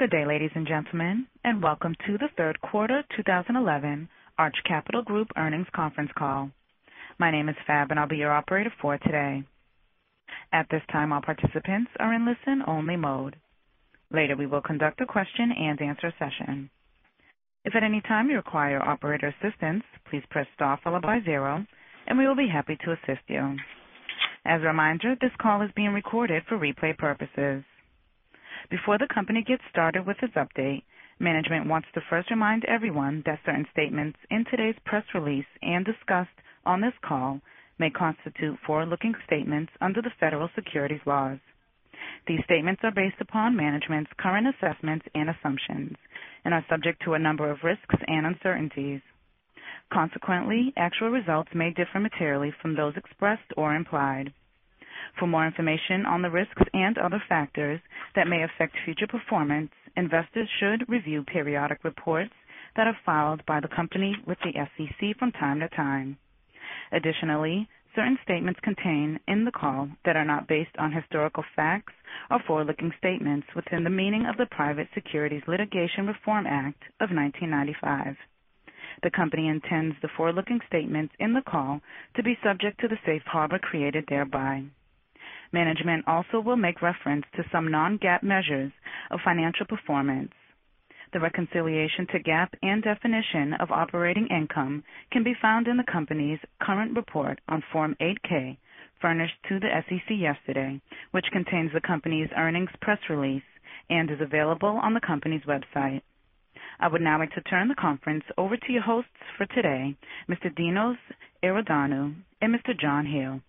Good day, ladies and gentlemen. Welcome to the third quarter 2011 Arch Capital Group earnings conference call. My name is Fab. I'll be your operator for today. At this time, all participants are in listen only mode. Later, we will conduct a question and answer session. If at any time you require operator assistance, please press star followed by zero. We will be happy to assist you. As a reminder, this call is being recorded for replay purposes. Before the company gets started with its update, management wants to first remind everyone that certain statements in today's press release and discussed on this call may constitute forward-looking statements under the Federal Securities Laws. These statements are based upon management's current assessments and assumptions and are subject to a number of risks and uncertainties. Consequently, actual results may differ materially from those expressed or implied. For more information on the risks and other factors that may affect future performance, investors should review periodic reports that are filed by the company with the SEC from time to time. Additionally, certain statements contained in the call that are not based on historical facts are forward-looking statements within the meaning of the Private Securities Litigation Reform Act of 1995. The company intends the forward-looking statements in the call to be subject to the safe harbor created thereby. Management also will make reference to some non-GAAP measures of financial performance. The reconciliation to GAAP and definition of operating income can be found in the company's current report on Form 8-K, furnished to the SEC yesterday, which contains the company's earnings press release and is available on the company's website. I would now like to turn the conference over to your hosts for today, Mr. Dinos Iordanou and Mr. John Hele.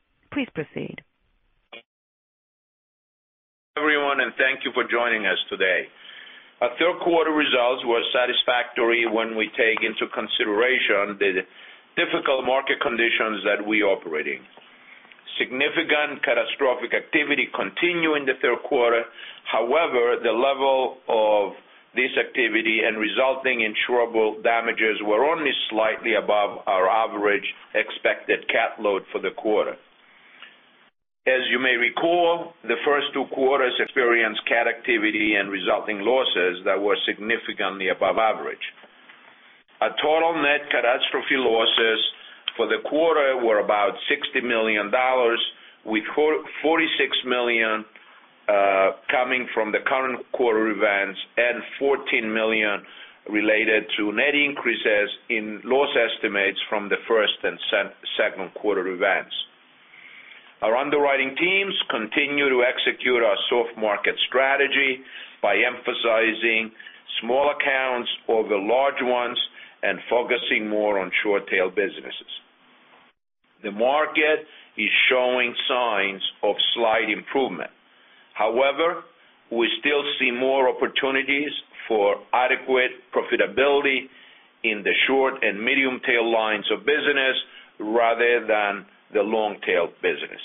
Please proceed. Everyone. Thank you for joining us today. Our third quarter results were satisfactory when we take into consideration the difficult market conditions that we operate in. Significant catastrophic activity continued in the third quarter. However, the level of this activity and resulting insurable damages were only slightly above our average expected cat load for the quarter. As you may recall, the first two quarters experienced cat activity and resulting losses that were significantly above average. Our total net catastrophe losses for the quarter were about $60 million, with $46 million coming from the current quarter events and $14 million related to net increases in loss estimates from the first and second quarter events. Our underwriting teams continue to execute our soft market strategy by emphasizing small accounts over large ones and focusing more on short-tail businesses. The market is showing signs of slight improvement. We still see more opportunities for adequate profitability in the short and medium tail lines of business rather than the long tail business.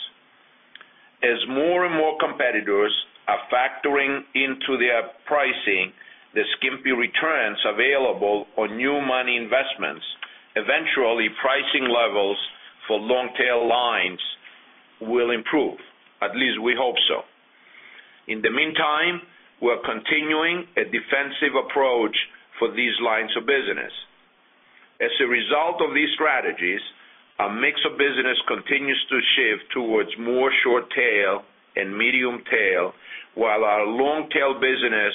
As more and more competitors are factoring into their pricing the skimpy returns available on new money investments, eventually pricing levels for long tail lines will improve. At least we hope so. In the meantime, we're continuing a defensive approach for these lines of business. As a result of these strategies, our mix of business continues to shift towards more short tail and medium tail, while our long tail business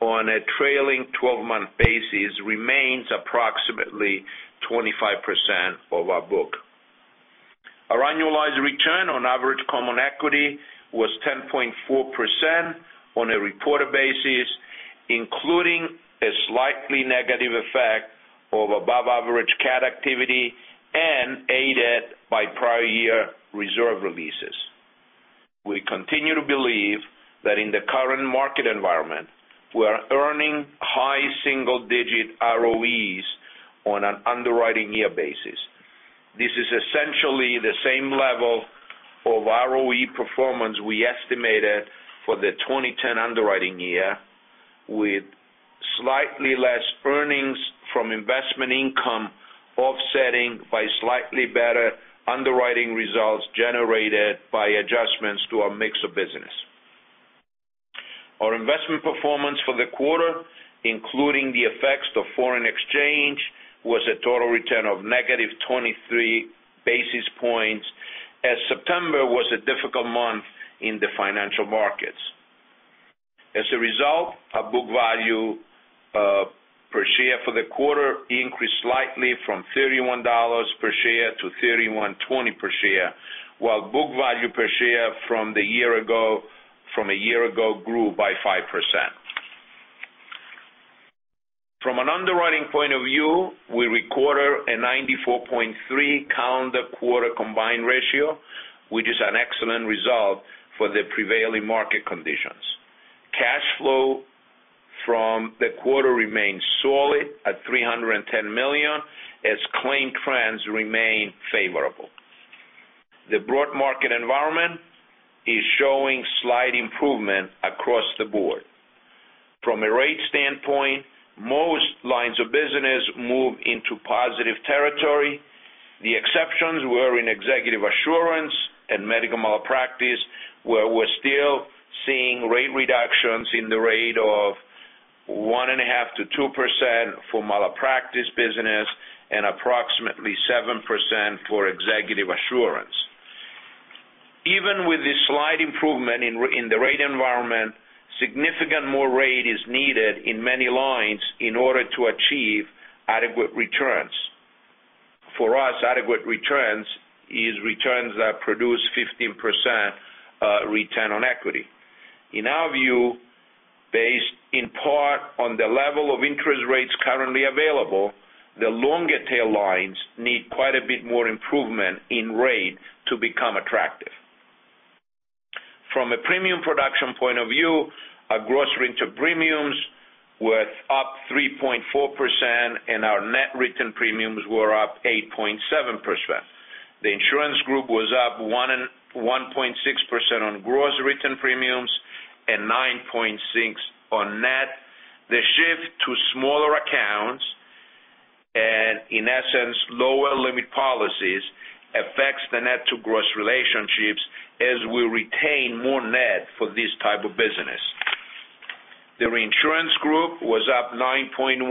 on a trailing 12-month basis remains approximately 25% of our book. Our annualized return on average common equity was 10.4% on a reported basis, including a slightly negative effect of above-average CAT activity and aided by prior year reserve releases. We continue to believe that in the current market environment, we are earning high single-digit ROEs on an underwriting year basis. This is essentially the same level of ROE performance we estimated for the 2010 underwriting year, with slightly less earnings from investment income offsetting by slightly better underwriting results generated by adjustments to our mix of business. Our investment performance for the quarter, including the effects of foreign exchange, was a total return of negative 23 basis points, as September was a difficult month in the financial markets. As a result, our book value per share for the quarter increased slightly from $31 per share to $31.20 per share, while book value per share from a year ago grew by 5%. From an underwriting point of view, we recorded a 94.3 calendar quarter combined ratio, which is an excellent result for the prevailing market conditions. Cash flow from the quarter remains solid at $310 million as claim trends remain favorable. The broad market environment is showing slight improvement across the board. From a rate standpoint, most lines of business move into positive territory. The exceptions were in Executive Assurance and medical malpractice, where we're still seeing rate reductions in the rate of 1.5%-2% for malpractice business and approximately 7% for Executive Assurance. Even with this slight improvement in the rate environment, significant more rate is needed in many lines in order to achieve adequate returns. For us, adequate returns is returns that produce 15% return on equity. In our view, based in part on the level of interest rates currently available, the longer tail lines need quite a bit more improvement in rate to become attractive. From a premium production point of view, our gross written premiums were up 3.4%, and our net written premiums were up 8.7%. The insurance group was up 1.6% on gross written premiums and 9.6% on net. The shift to smaller accounts and, in essence, lower limit policies affects the net to gross relationships as we retain more net for this type of business. The reinsurance group was up 9.1%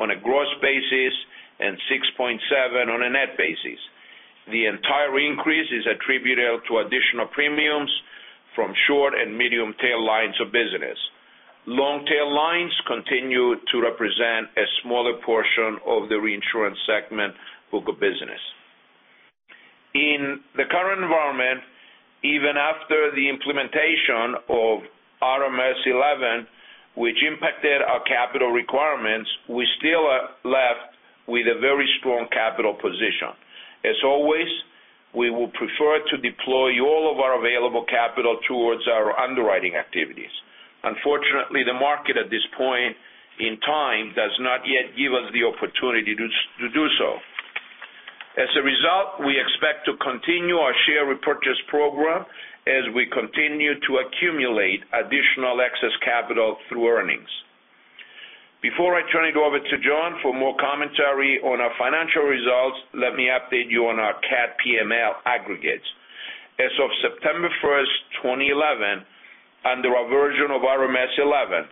on a gross basis and 6.7% on a net basis. The entire increase is attributable to additional premiums from short and medium tail lines of business. Long tail lines continue to represent a smaller portion of the reinsurance segment book of business. In the current environment, even after the implementation of RMS 11, which impacted our capital requirements, we still are left with a very strong capital position. As always, we will prefer to deploy all of our available capital towards our underwriting activities. Unfortunately, the market at this point in time does not yet give us the opportunity to do so. As a result, we expect to continue our share repurchase program as we continue to accumulate additional excess capital through earnings. Before I turn it over to John for more commentary on our financial results, let me update you on our CAT PML aggregates. As of September 1st, 2011, under our version of RMS 11,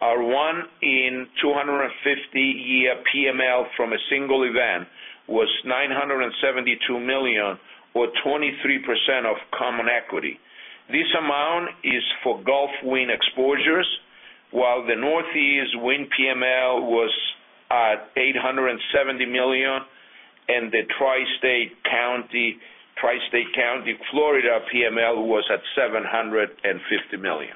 our one in 250 year PML from a single event was $972 million or 23% of common equity. This amount is for Gulf wind exposures, while the Northeast wind PML was at $870 million and the Tri-County Florida PML was at $750 million.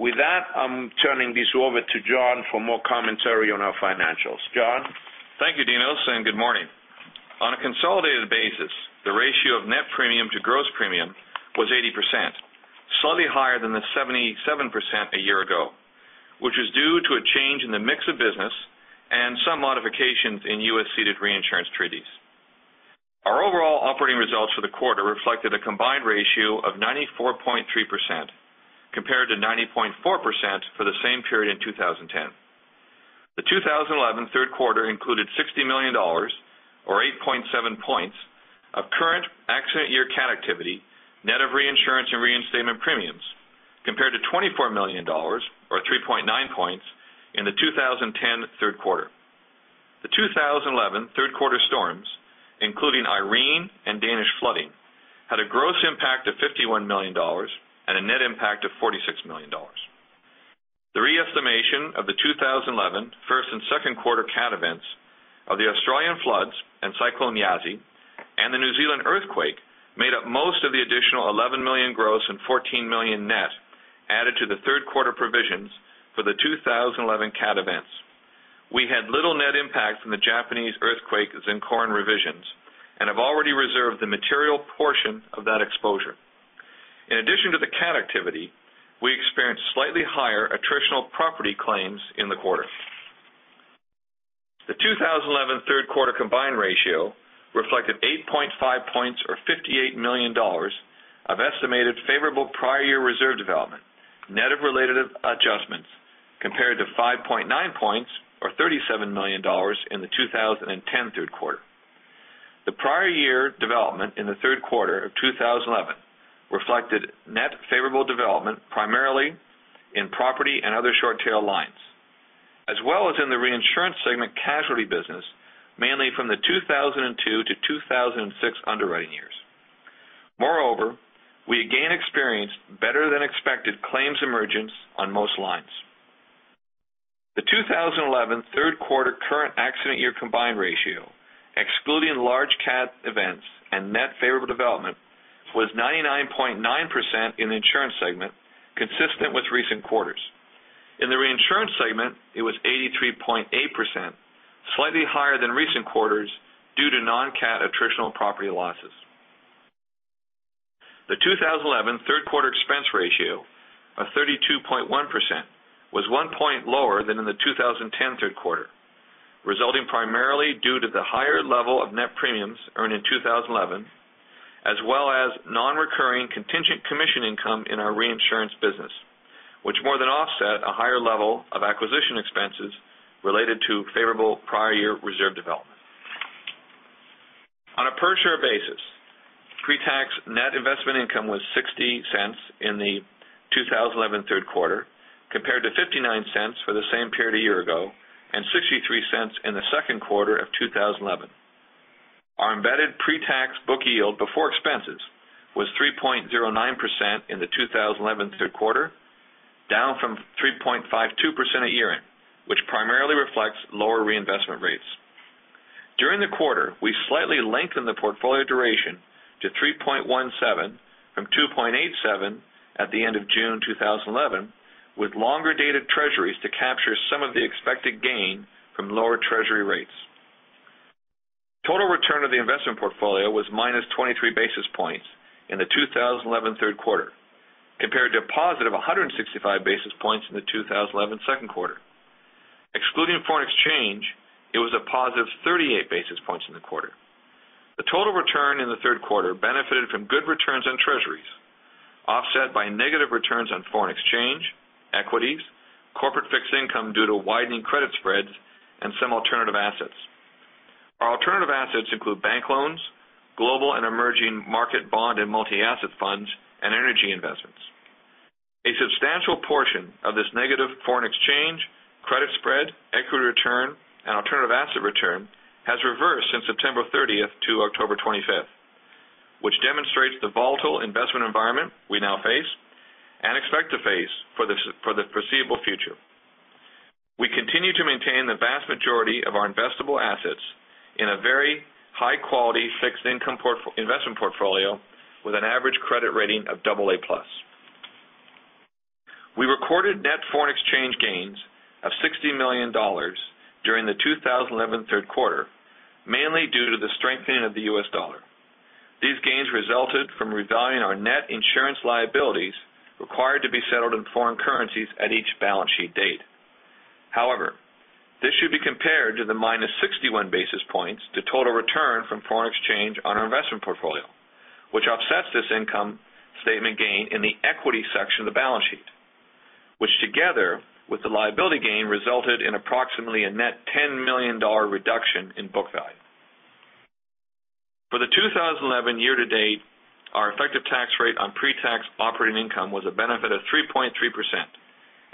With that, I'm turning this over to John for more commentary on our financials. John? Thank you, Dino, and good morning. On a consolidated basis, the ratio of net premium to gross premium was 80%, slightly higher than the 77% a year ago, which was due to a change in the mix of business and some modifications in U.S. ceded reinsurance treaties. Our overall operating results for the quarter reflected a combined ratio of 94.3%, compared to 90.4% for the same period in 2010. The 2011 third quarter included $60 million, or 8.7 points of current accident year CAT activity, net of reinsurance and reinstatement premiums, compared to $24 million, or 3.9 points, in the 2010 third quarter. The 2011 third quarter storms, including Irene and Danish flooding, had a gross impact of $51 million and a net impact of $46 million. The re-estimation of the 2011 first and second quarter CAT events of the Australian floods and Cyclone Yasi and the New Zealand earthquake made up most of the additional $11 million gross and $14 million net added to the third quarter provisions for the 2011 CAT events. We had little net impact from the Japanese earthquake Tohoku revisions and have already reserved the material portion of that exposure. In addition to the CAT activity, we experienced slightly higher attritional property claims in the quarter. The 2011 third quarter combined ratio reflected 8.5 points or $58 million of estimated favorable prior year reserve development, net of related adjustments, compared to 5.9 points or $37 million in the 2010 third quarter. The prior year development in the third quarter of 2011 reflected net favorable development primarily in property and other short tail lines, as well as in the reinsurance segment casualty business, mainly from the 2002 to 2006 underwriting years. Moreover, we again experienced better than expected claims emergence on most lines. The 2011 third quarter current accident year combined ratio, excluding large CAT events and net favorable development, was 99.9% in the insurance segment, consistent with recent quarters. In the reinsurance segment, it was 83.8%, slightly higher than recent quarters due to non-CAT attritional property losses. The 2011 third quarter expense ratio of 32.1% was one point lower than in the 2010 third quarter, resulting primarily due to the higher level of net premiums earned in 2011, as well as non-recurring contingent commission income in our reinsurance business. Which more than offset a higher level of acquisition expenses related to favorable prior year reserve development. On a per share basis, pre-tax net investment income was $0.60 in the 2011 third quarter, compared to $0.59 for the same period a year ago, and $0.63 in the second quarter of 2011. Our embedded pre-tax book yield before expenses was 3.09% in the 2011 third quarter, down from 3.52% a year in, which primarily reflects lower reinvestment rates. During the quarter, we slightly lengthened the portfolio duration to 3.17 from 2.87 at the end of June 2011, with longer dated Treasuries to capture some of the expected gain from lower Treasury rates. Total return of the investment portfolio was minus 23 basis points in the 2011 third quarter, compared to a positive 165 basis points in the 2011 second quarter. Excluding foreign exchange, it was a positive 38 basis points in the quarter. The total return in the third quarter benefited from good returns on Treasuries, offset by negative returns on foreign exchange, equities, corporate fixed income due to widening credit spreads, and some alternative assets. Our alternative assets include bank loans, global and emerging market bond and multi-asset funds, and energy investments. A substantial portion of this negative foreign exchange, credit spread, equity return, and alternative asset return has reversed since September 30th to October 25th, which demonstrates the volatile investment environment we now face and expect to face for the foreseeable future. We continue to maintain the vast majority of our investable assets in a very high-quality fixed income investment portfolio with an average credit rating of AA+. We recorded net foreign exchange gains of $60 million during the 2011 third quarter, mainly due to the strengthening of the U.S. dollar. These gains resulted from revaluing our net insurance liabilities required to be settled in foreign currencies at each balance sheet date. However, this should be compared to the minus 61 basis points to total return from foreign exchange on our investment portfolio, which offsets this income statement gain in the equity section of the balance sheet, which together with the liability gain, resulted in approximately a net $10 million reduction in book value. For the 2011 year to date, our effective tax rate on pre-tax operating income was a benefit of 3.3%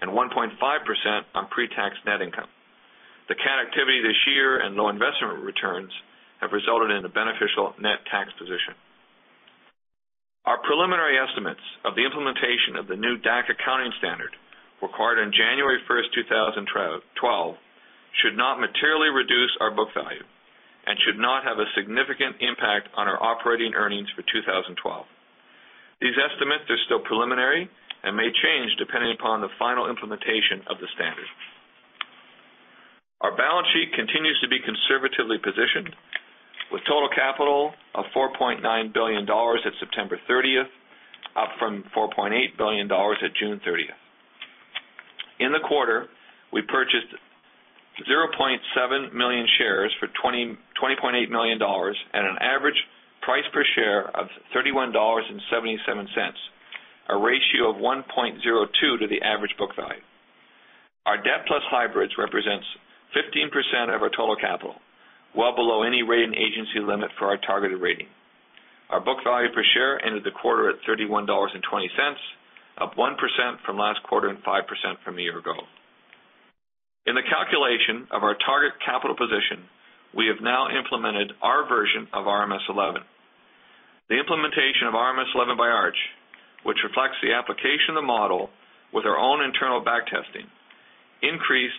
and 1.5% on pre-tax net income. The CAT activity this year and low investment returns have resulted in a beneficial net tax position. Our preliminary estimates of the implementation of the new DAC accounting standard, required on January 1st, 2012, should not materially reduce our book value and should not have a significant impact on our operating earnings for 2012. These estimates are still preliminary and may change depending upon the final implementation of the standard. Our balance sheet continues to be conservatively positioned with total capital of $4.9 billion at September 30th, up from $4.8 billion at June 30th. In the quarter, we purchased 0.7 million shares for $20.8 million at an average price per share of $31.77, a ratio of 1.02 to the average book value. Our debt plus hybrids represents 15% of our total capital, well below any rating agency limit for our targeted rating. Our book value per share ended the quarter at $31.20, up 1% from last quarter and 5% from a year ago. In the calculation of our target capital position, we have now implemented our version of RMS 11. The implementation of RMS 11 by Arch, which reflects the application of the model with our own internal back testing, increased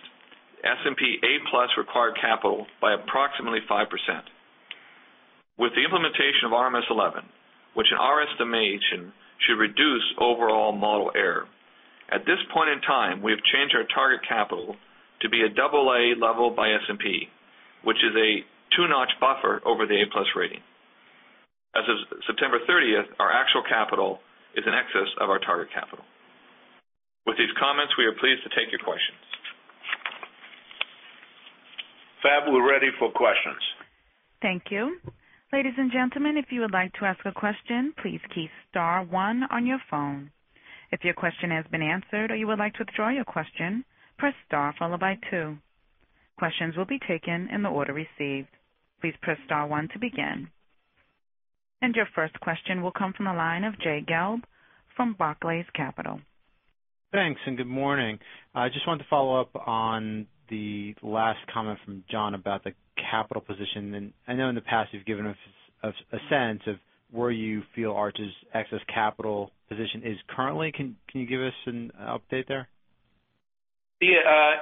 S&P A plus required capital by approximately 5%. With the implementation of RMS 11, which in our estimation should reduce overall model error, at this point in time, we have changed our target capital to be a double A level by S&P, which is a 2-notch buffer over the A plus rating. As of September 30th, our actual capital is in excess of our target capital. With these comments, we are pleased to take your questions. Fab, we're ready for questions. Thank you. Ladies and gentlemen, if you would like to ask a question, please key star 1 on your phone. If your question has been answered or you would like to withdraw your question, press star followed by 2. Questions will be taken in the order received. Please press star 1 to begin. Your first question will come from the line of Jay Gelb from Barclays Capital. Thanks and good morning. I just wanted to follow up on the last comment from John about the capital position. I know in the past you've given us a sense of where you feel Arch's excess capital position is currently. Can you give us an update there? Yeah.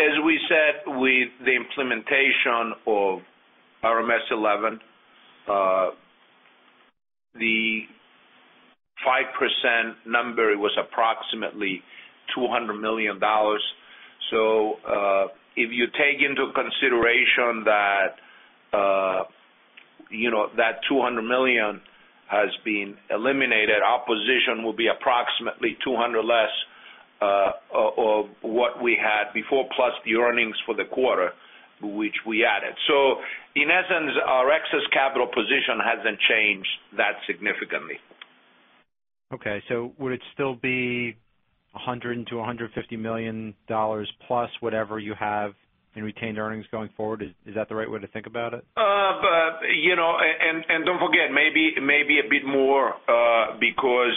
As we said, with the implementation of RMS 11, the 5% number was approximately $200 million. If you take into consideration that $200 million has been eliminated, our position will be approximately $200 million less Or what we had before, plus the earnings for the quarter, which we added. In essence, our excess capital position hasn't changed that significantly. Okay. Would it still be $100 million-$150 million plus whatever you have in retained earnings going forward? Is that the right way to think about it? Don't forget, maybe a bit more because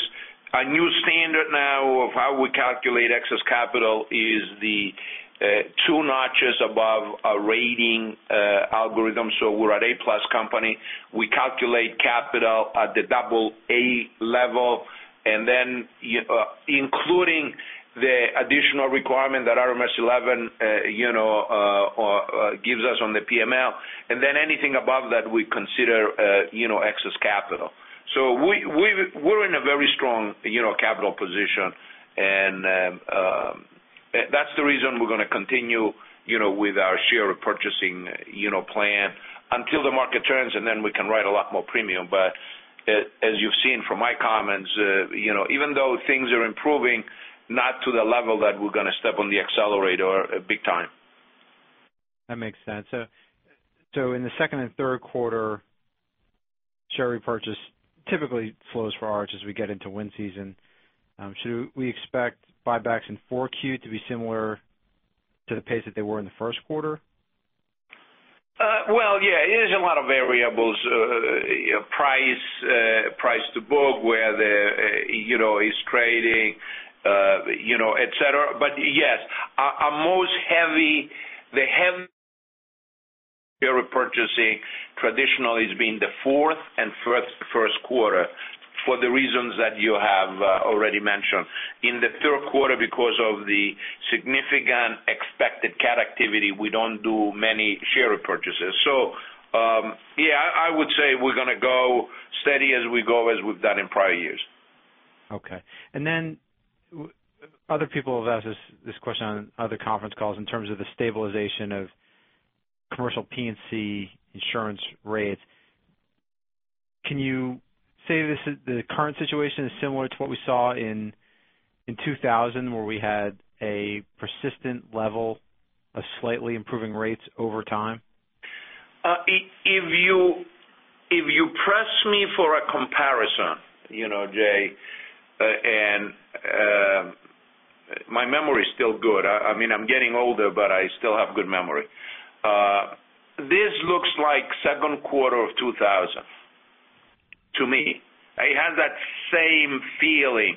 a new standard now of how we calculate excess capital is the two notches above a rating algorithm. We're an A-plus company. We calculate capital at the double A level, then including the additional requirement that RMS 11 gives us on the PML. Anything above that we consider excess capital. We're in a very strong capital position and that's the reason we're going to continue with our share repurchasing plan until the market turns, then we can write a lot more premium. As you've seen from my comments, even though things are improving, not to the level that we're going to step on the accelerator big time. That makes sense. In the second and third quarter, share repurchase typically flows for Arch as we get into wind season. Should we expect buybacks in 4Q to be similar to the pace that they were in the first quarter? Well, yeah. There's a lot of variables. Price to book, where it's trading, et cetera. Yes, our most heavy share repurchasing traditionally has been the fourth and first quarter for the reasons that you have already mentioned. In the third quarter because of the significant expected CAT activity, we don't do many share repurchases. Yeah, I would say we're going to go steady as we go, as we've done in prior years. Okay. Other people have asked this question on other conference calls in terms of the stabilization of commercial P&C insurance rates. Can you say the current situation is similar to what we saw in 2000, where we had a persistent level of slightly improving rates over time? If you press me for a comparison, Jay, My memory is still good. I'm getting older, but I still have good memory. This looks like second quarter of 2000 to me. It has that same feeling.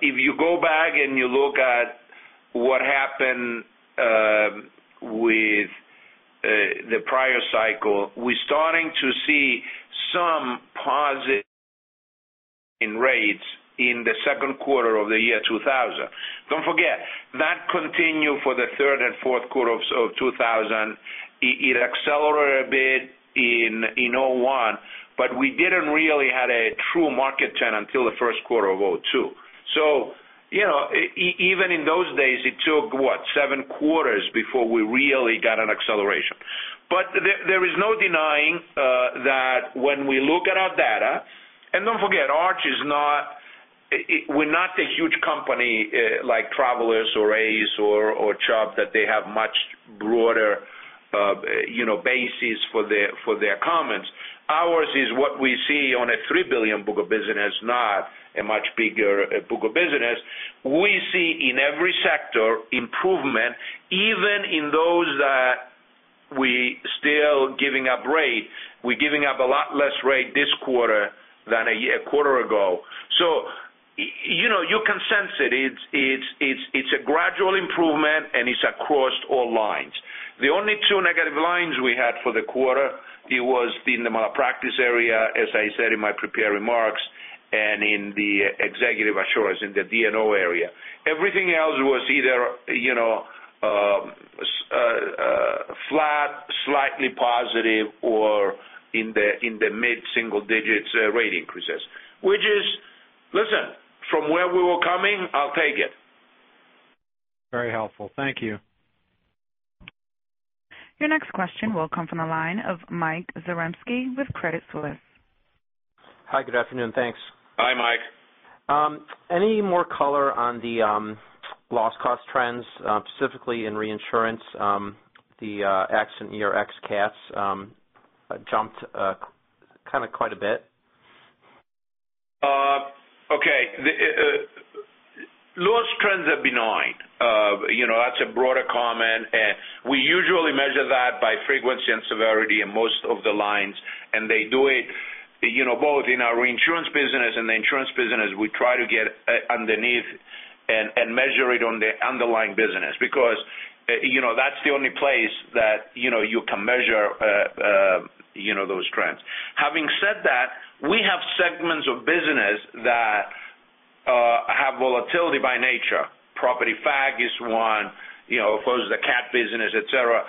If you go back and you look at what happened with the prior cycle, we're starting to see some positive in rates in the second quarter of the year 2000. Don't forget, that continued for the third and fourth quarter of 2000. It accelerated a bit in 2001, We didn't really have a true market turn until the first quarter of 2002. Even in those days, it took what? seven quarters before we really got an acceleration. There is no denying that when we look at our data, Don't forget, Arch is not a huge company like Travelers or ACE or Chubb, that they have much broader bases for their comments. Ours is what we see on a $3 billion book of business, not a much bigger book of business. We see in every sector improvement, even in those that we still giving up rate. We're giving up a lot less rate this quarter than a quarter ago. You can sense it. It's a gradual improvement and it's across all lines. The only two negative lines we had for the quarter, it was in the malpractice area, as I said in my prepared remarks, and in the Executive Assurance in the D&O area. Everything else was either flat, slightly positive, or in the mid-single digits rate increases. Which is, listen, from where we were coming, I'll take it. Very helpful. Thank you. Your next question will come from the line of Michael Zaremski with Credit Suisse. Hi, good afternoon. Thanks. Hi, Mike. Any more color on the loss cost trends, specifically in reinsurance? The accident year ex-CATs jumped kind of quite a bit. Okay. Loss trends are benign. That's a broader comment. We usually measure that by frequency and severity in most of the lines, they do it both in our reinsurance business and the insurance business. We try to get underneath and measure it on the underlying business because that's the only place that you can measure those trends. Having said that, we have segments of business that have volatility by nature. property facultative is one, of course, the cat business, et cetera.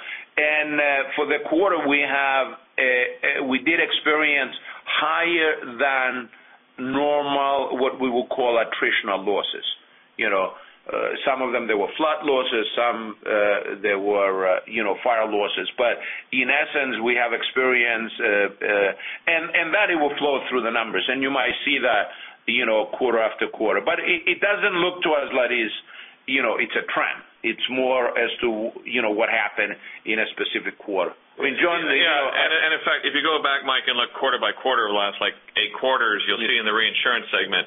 For the quarter, we did experience higher than normal, what we would call attritional losses. Some of them, they were flood losses, some they were fire losses. In essence, we have experience and that it will flow through the numbers. You might see that quarter after quarter. It doesn't look to us like it's a trend. It's more as to what happened in a specific quarter. In fact, if you go back, Mike, and look quarter by quarter, the last eight quarters, you'll see in the reinsurance segment,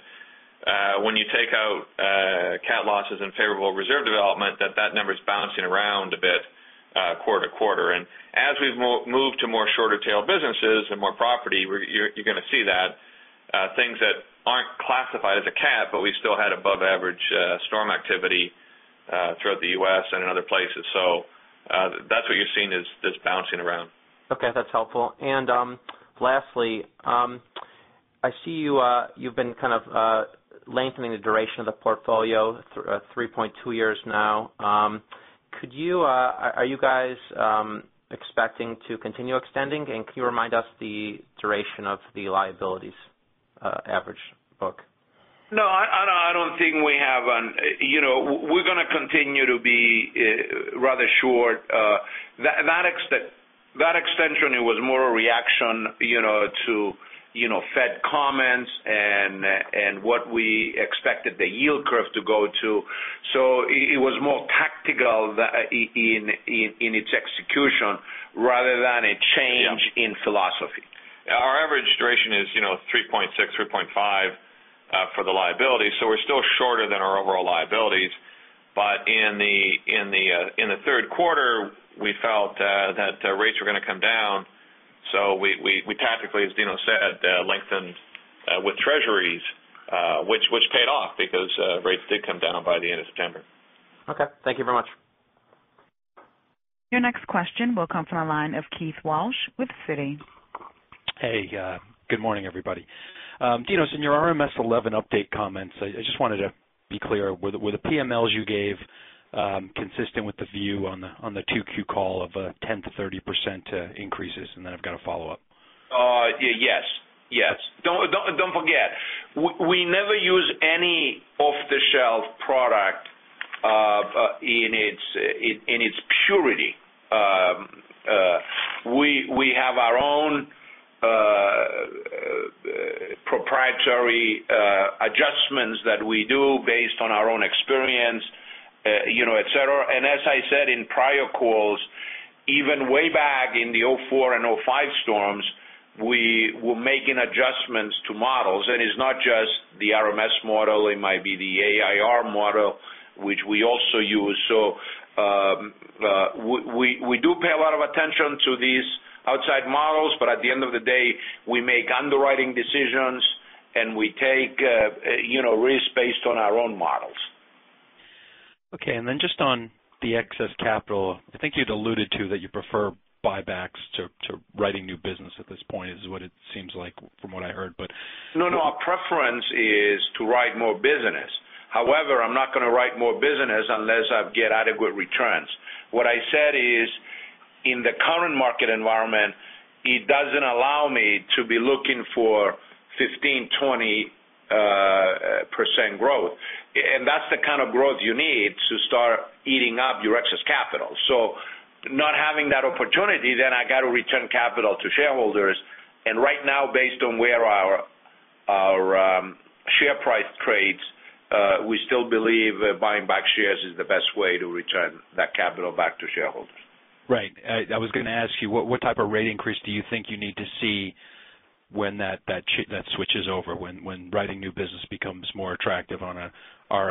when you take out cat losses and favorable reserve development, that number's bouncing around a bit, quarter to quarter. As we've moved to more shorter tail businesses and more property, you're going to see that things that aren't classified as a cat, but we still had above average storm activity throughout the U.S. and in other places. That's what you're seeing is this bouncing around. Okay. That's helpful. Lastly, I see you've been kind of lengthening the duration of the portfolio through 3.2 years now. Are you guys expecting to continue extending, and can you remind us the duration of the liabilities average book? No, I don't think we're going to continue to be rather short. That extension was more a reaction to Fed comments and what we expected the yield curve to go to. It was more tactical in its execution rather than a change in philosophy. Yeah. Our average duration is 3.6, 3.5 for the liability. We're still shorter than our overall liabilities. In the third quarter, we felt that rates were going to come down, so we tactically, as Dino said, lengthened with Treasuries, which paid off because rates did come down by the end of September. Okay. Thank you very much. Your next question will come from the line of Keith Walsh with Citi. Hey, good morning, everybody. Dino, in your RMS 11 update comments, I just wanted to be clear, were the PMLs you gave consistent with the view on the 2Q call of 10%-30% increases? I've got a follow-up. Yes. Don't forget. We never use any off-the-shelf product in its purity. We have our own proprietary adjustments that we do based on our own experience, et cetera. As I said in prior calls, even way back in the 2004 and 2005 storms, we were making adjustments to models. It's not just the RMS model, it might be the AIR model, which we also use. We do pay a lot of attention to these outside models, but at the end of the day, we make underwriting decisions and we take risk based on our own models. Okay. Just on the excess capital, I think you'd alluded to that you prefer buybacks to writing new business at this point, is what it seems like from what I heard. No, our preference is to write more business. However, I'm not going to write more business unless I get adequate returns. What I said is, in the current market environment, it doesn't allow me to be looking for 15%, 20% growth. That's the kind of growth you need to start eating up your excess capital. Not having that opportunity, then I got to return capital to shareholders. Right now, based on where our share price trades, we still believe that buying back shares is the best way to return that capital back to shareholders. Right. I was going to ask you, what type of rate increase do you think you need to see when that switches over, when writing new business becomes more attractive on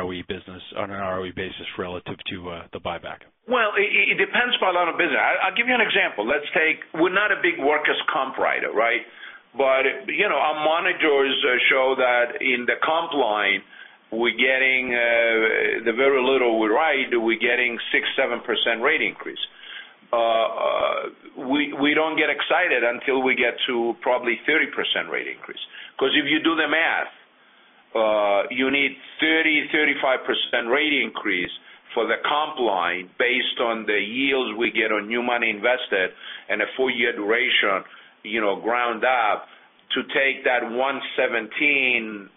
an ROE basis relative to the buyback? Well, it depends by line of business. I'll give you an example. We're not a big workers' comp writer, right? Our monitors show that in the comp line, the very little we write, we're getting 6%-7% rate increase. We don't get excited until we get to probably 30% rate increase. If you do the math, you need 30%-35% rate increase for the comp line based on the yields we get on new money invested and a four-year duration ground up to take that 117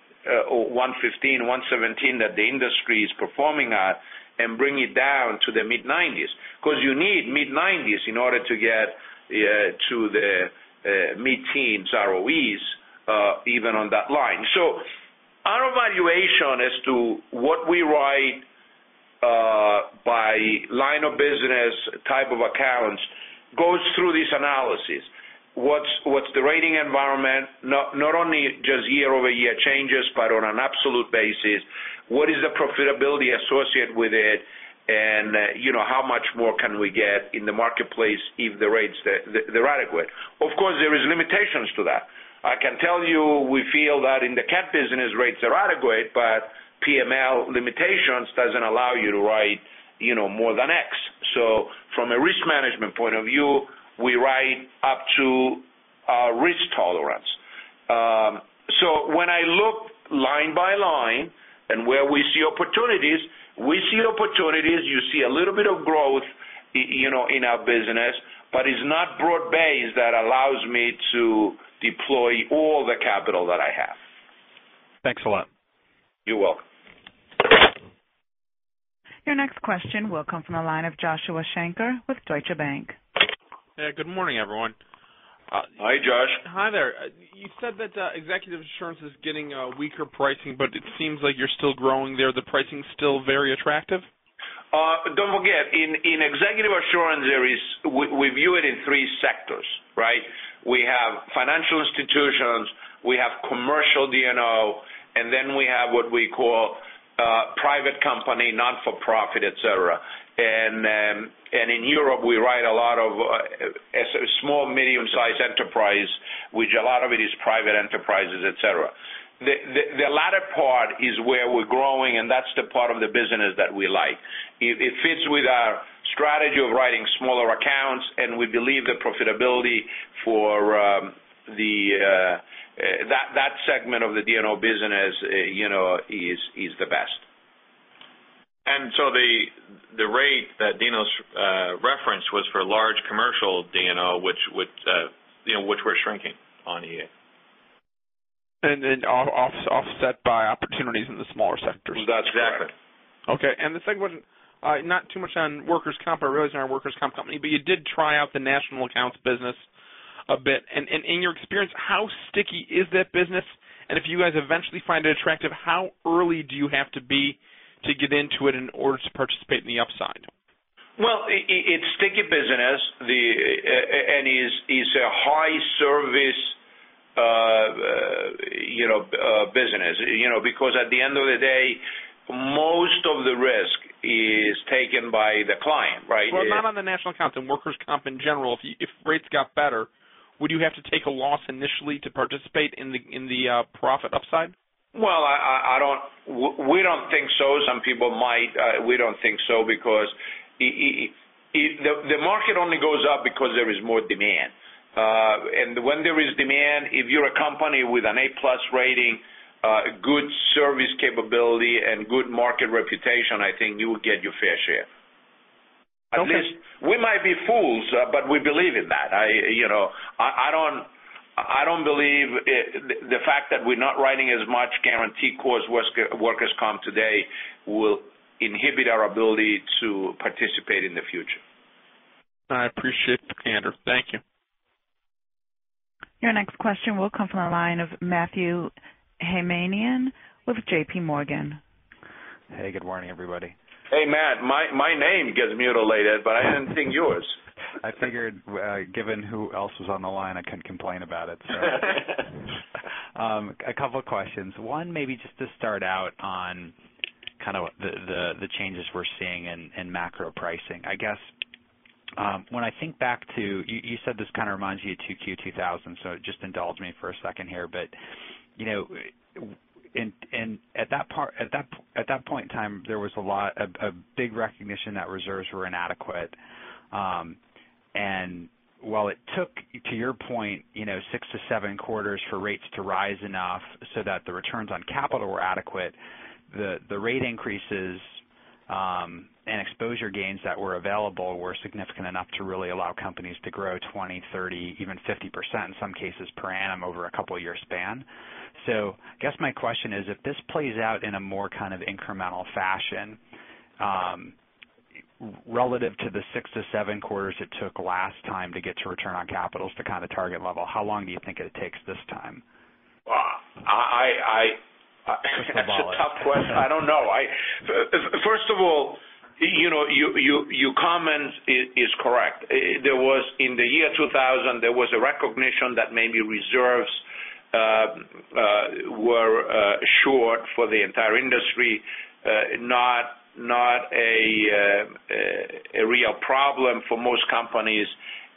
or 115, 117 that the industry is performing at and bring it down to the mid-90s. You need mid-90s in order to get to the mid-teens ROEs even on that line. Our evaluation as to what we write by line of business, type of accounts, goes through this analysis. What's the rating environment, not only just year-over-year changes, but on an absolute basis? What is the profitability associated with it, and how much more can we get in the marketplace if the rates, they're adequate? Of course, there is limitations to that. I can tell you we feel that in the CAT business, rates are adequate, but PML limitations doesn't allow you to write more than X. From a risk management point of view, we write up to our risk tolerance. When I look line by line and where we see opportunities, you see a little bit of growth in our business, but it's not broad-based that allows me to deploy all the capital that I have. Thanks a lot. You're welcome. Your next question will come from the line of Joshua Shanker with Deutsche Bank. Yeah. Good morning, everyone. Hi, Josh. Hi there. You said that Executive Assurance is getting weaker pricing, it seems like you're still growing there. The pricing is still very attractive? Don't forget, in Executive Assurance, we view it in three sectors, right? We have financial institutions, we have commercial D&O, we have what we call private company, not for profit, et cetera. In Europe, we write a lot of small, medium-sized enterprise, which a lot of it is private enterprises, et cetera. The latter part is where we're growing, and that's the part of the business that we like. It fits with our strategy of writing smaller accounts, and we believe the profitability for that segment of the D&O business is the best. The rate that Dino's referenced was for large commercial D&O, which we're shrinking on EA. Offset by opportunities in the smaller sectors. That's correct. Exactly. The second one, not too much on workers' comp. I realize you're not a workers' comp company, but you did try out the national accounts business a bit. In your experience, how sticky is that business? If you guys eventually find it attractive, how early do you have to be to get into it in order to participate in the upside? Well, it's sticky business, and is a high service business. Because at the end of the day, most of the risk is taken by the client, right? Well, not on the national accounts, on workers' comp in general. If rates got better, would you have to take a loss initially to participate in the profit upside? Well, we don't think so. Some people might. We don't think so because the market only goes up because there is more demand. When there is demand, if you're a company with an A+ rating, good service capability, and good market reputation, I think you will get your fair share. Okay. We might be fools, but we believe in that. I don't believe the fact that we're not riding as much guaranteed core workers' comp today will inhibit our ability to participate in the future. I appreciate the candor. Thank you. Your next question will come from the line of Matthew Heimermann with JPMorgan. Hey, good morning, everybody. Hey, Matt. My name gets mutilated. I didn't see yours. I figured, given who else was on the line, I couldn't complain about it, so. A couple of questions. One, maybe just to start out on kind of the changes we're seeing in macro pricing. I guess, when I think back to, you said this kind of reminds you of 2Q 2000, just indulge me for a second here. At that point in time, there was a big recognition that reserves were inadequate. While it took, to your point, six to seven quarters for rates to rise enough so that the returns on capital were adequate, the rate increases and exposure gains that were available were significant enough to really allow companies to grow 20%, 30%, even 50% in some cases per annum over a couple-year span. I guess my question is, if this plays out in a more kind of incremental fashion, relative to the six to seven quarters it took last time to get to return on capital to kind of target level, how long do you think it takes this time? It's a tough question. I don't know. First of all, your comment is correct. In the year 2000, there was a recognition that maybe reserves were short for the entire industry, not a real problem for most companies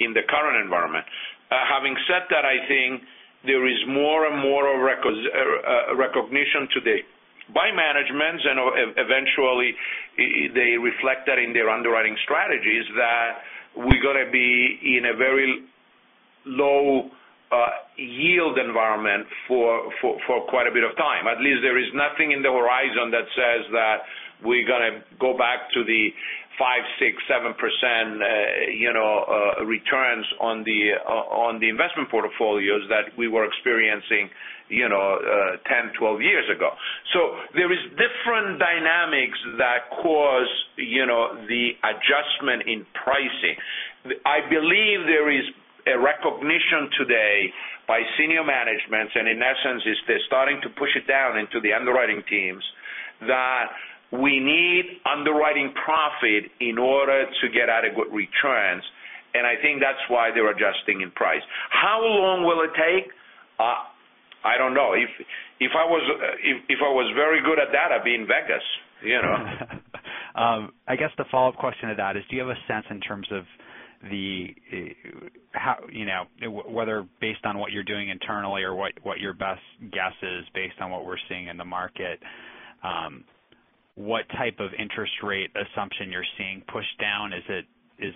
in the current environment. Having said that, I think there is more and more recognition today by managements, eventually they reflect that in their underwriting strategies, that we're going to be in a very low yield environment for quite a bit of time. At least there is nothing in the horizon that says that we're going to go back to the 5%, 6%, 7% returns on the investment portfolios that we were experiencing 10, 12 years ago. There is different dynamics that cause the adjustment in pricing. I believe there is a recognition today by senior managements, in essence, is they're starting to push it down into the underwriting teams, that we need underwriting profit in order to get adequate returns, I think that's why they're adjusting in price. How long will it take? I don't know. If I was very good at that, I'd be in Vegas. I guess the follow-up question to that is, do you have a sense in terms of whether based on what you're doing internally or what your best guess is based on what we're seeing in the market, what type of interest rate assumption you're seeing pushed down? Is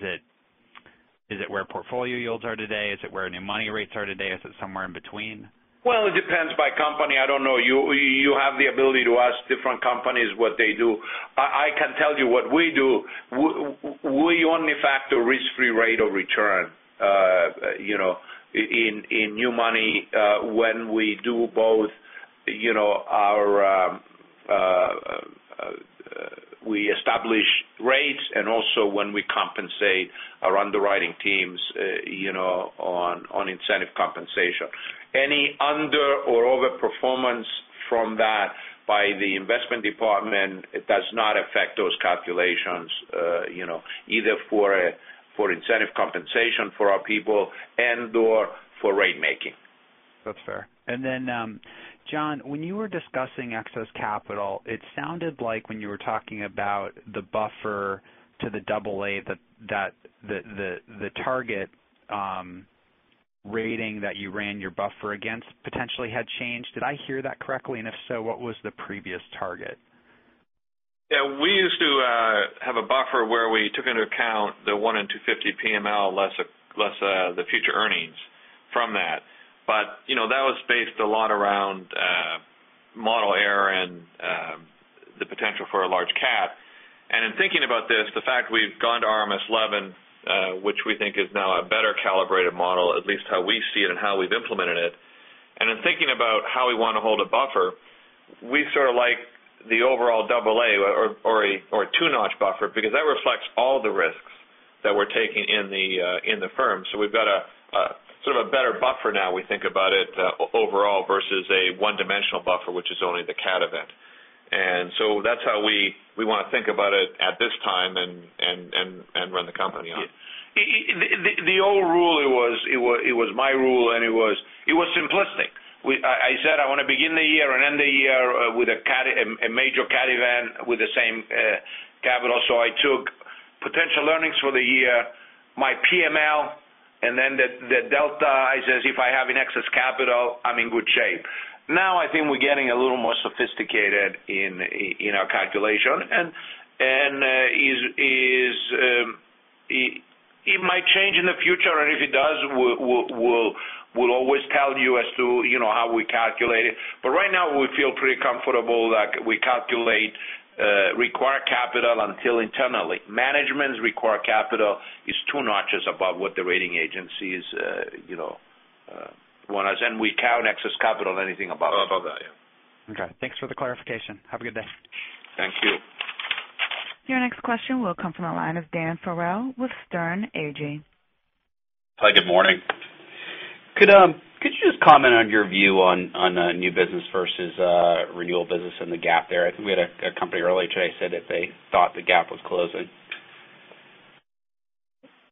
it where portfolio yields are today? Is it where new money rates are today? Is it somewhere in between? Well, it depends by company. I don't know. You have the ability to ask different companies what they do. I can tell you what we do. We only factor risk-free rate of return in new money when we do both when we establish rates and also when we compensate our underwriting teams on incentive compensation. Any under or over performance from that by the investment department, it does not affect those calculations either for incentive compensation for our people and/or for rate making. That's fair. John, when you were discussing excess capital, it sounded like when you were talking about the buffer to the double A, that the target rating that you ran your buffer against potentially had changed. Did I hear that correctly? If so, what was the previous target? Yeah, we used to have a buffer where we took into account the one in 250 PML, less the future earnings from that. That was based a lot around model error and the potential for a large CAT. In thinking about this, the fact we've gone to RMS 11, which we think is now a better calibrated model, at least how we see it and how we've implemented it. In thinking about how we want to hold a buffer, we sort of like the overall double A or a two-notch buffer, because that reflects all the risks that we're taking in the firm. We've got a better buffer now, we think about it overall versus a one-dimensional buffer, which is only the CAT event. That's how we want to think about it at this time and run the company on. The old rule, it was my rule, and it was simplistic. I said I want to begin the year and end the year with a major CAT event with the same capital. I took potential earnings for the year, my PML, then the delta is as if I have an excess capital, I'm in good shape. I think we're getting a little more sophisticated in our calculation, and it might change in the future, and if it does, we'll always tell you as to how we calculate it. Right now, we feel pretty comfortable that we calculate required capital until internally. Management's required capital is two notches above what the rating agencies want us. We count excess capital anything above that. Above that, yeah. Okay. Thanks for the clarification. Have a good day. Thank you. Your next question will come from the line of Dan Farrell with Sterne Agee. Hi, good morning. Could you just comment on your view on new business versus renewal business and the gap there? I think we had a company earlier today said that they thought the gap was closing.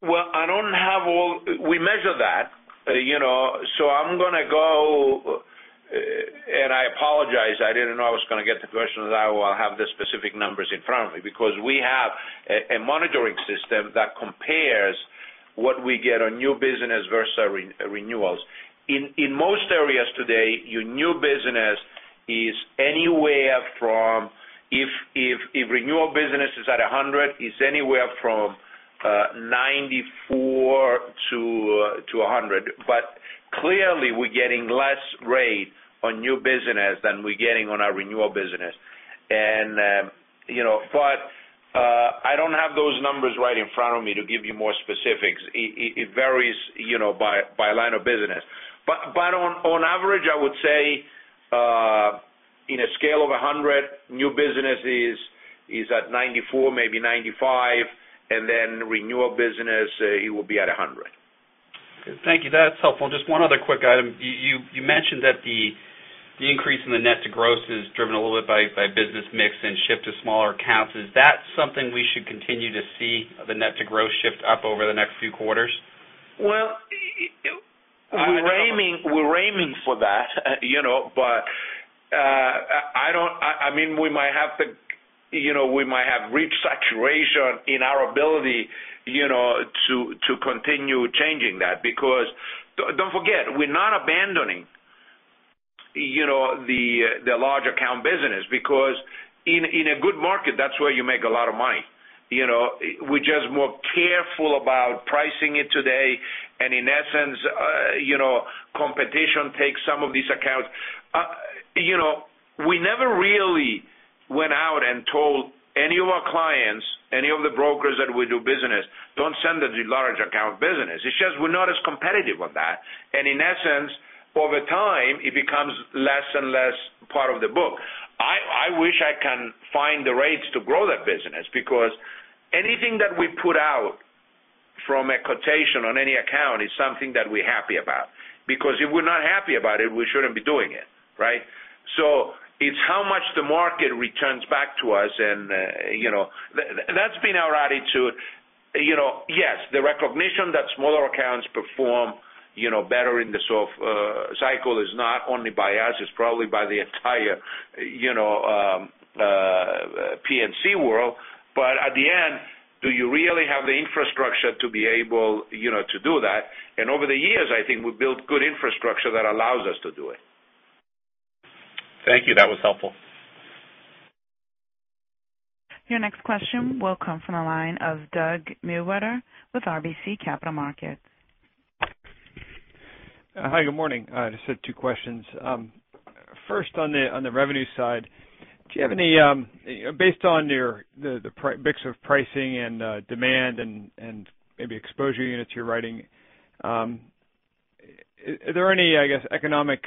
We measure that. I'm going to go, and I apologize, I didn't know I was going to get the question, otherwise I'll have the specific numbers in front of me, because we have a monitoring system that compares what we get on new business versus renewals. In most areas today, your new business is anywhere from, if renewal business is at 100, it's anywhere from 94 to 100. Clearly, we're getting less rate on new business than we're getting on our renewal business. I don't have those numbers right in front of me to give you more specifics. It varies by line of business. On average, I would say in a scale of 100, new business is at 94, maybe 95, and then renewal business, it will be at 100. Thank you. That's helpful. Just one other quick item. You mentioned that the increase in the net to gross is driven a little bit by business mix and shift to smaller accounts. Is that something we should continue to see the net to gross shift up over the next few quarters? We're aiming for that. We might have reached saturation in our ability to continue changing that because don't forget, we're not abandoning the large account business because in a good market, that's where you make a lot of money. We're just more careful about pricing it today, in essence, competition takes some of these accounts. We never really went out and told any of our clients, any of the brokers that we do business, don't send us your large account business. It's just we're not as competitive with that. In essence, over time, it becomes less and less part of the book. I wish I can find the rates to grow that business because anything that we put out from a quotation on any account is something that we're happy about. If we're not happy about it, we shouldn't be doing it. Right? It's how much the market returns back to us, that's been our attitude. Yes, the recognition that smaller accounts perform better in the soft cycle is not only by us, it's probably by the entire P&C world. At the end, do you really have the infrastructure to be able to do that? Over the years, I think we built good infrastructure that allows us to do it. Thank you. That was helpful. Your next question will come from the line of Douglas Miehm with RBC Capital Markets. Hi, good morning. I just have two questions. First on the revenue side, based on the mix of pricing and demand and maybe exposure units you're writing Are there any, I guess, economic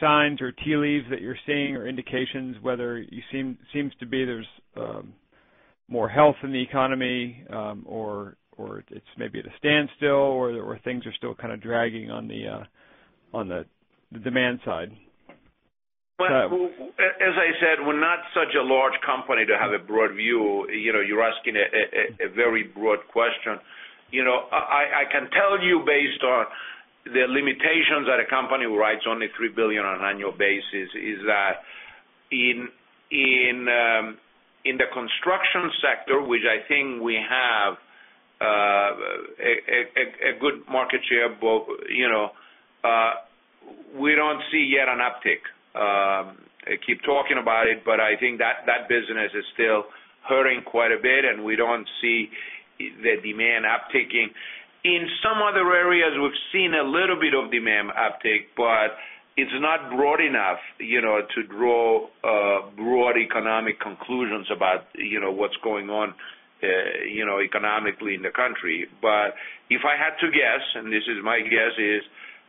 signs or tea leaves that you're seeing or indications whether it seems to be there's more health in the economy, or it's maybe at a standstill or things are still kind of dragging on the demand side? Well, as I said, we're not such a large company to have a broad view. You're asking a very broad question. I can tell you based on the limitations that a company who writes only $3 billion on an annual basis is that in the construction sector, which I think we have a good market share, but we don't see yet an uptick. I keep talking about it, but I think that that business is still hurting quite a bit, and we don't see the demand upticking. In some other areas, we've seen a little bit of demand uptick, but it's not broad enough to draw broad economic conclusions about what's going on economically in the country. If I had to guess, and this is my guess, is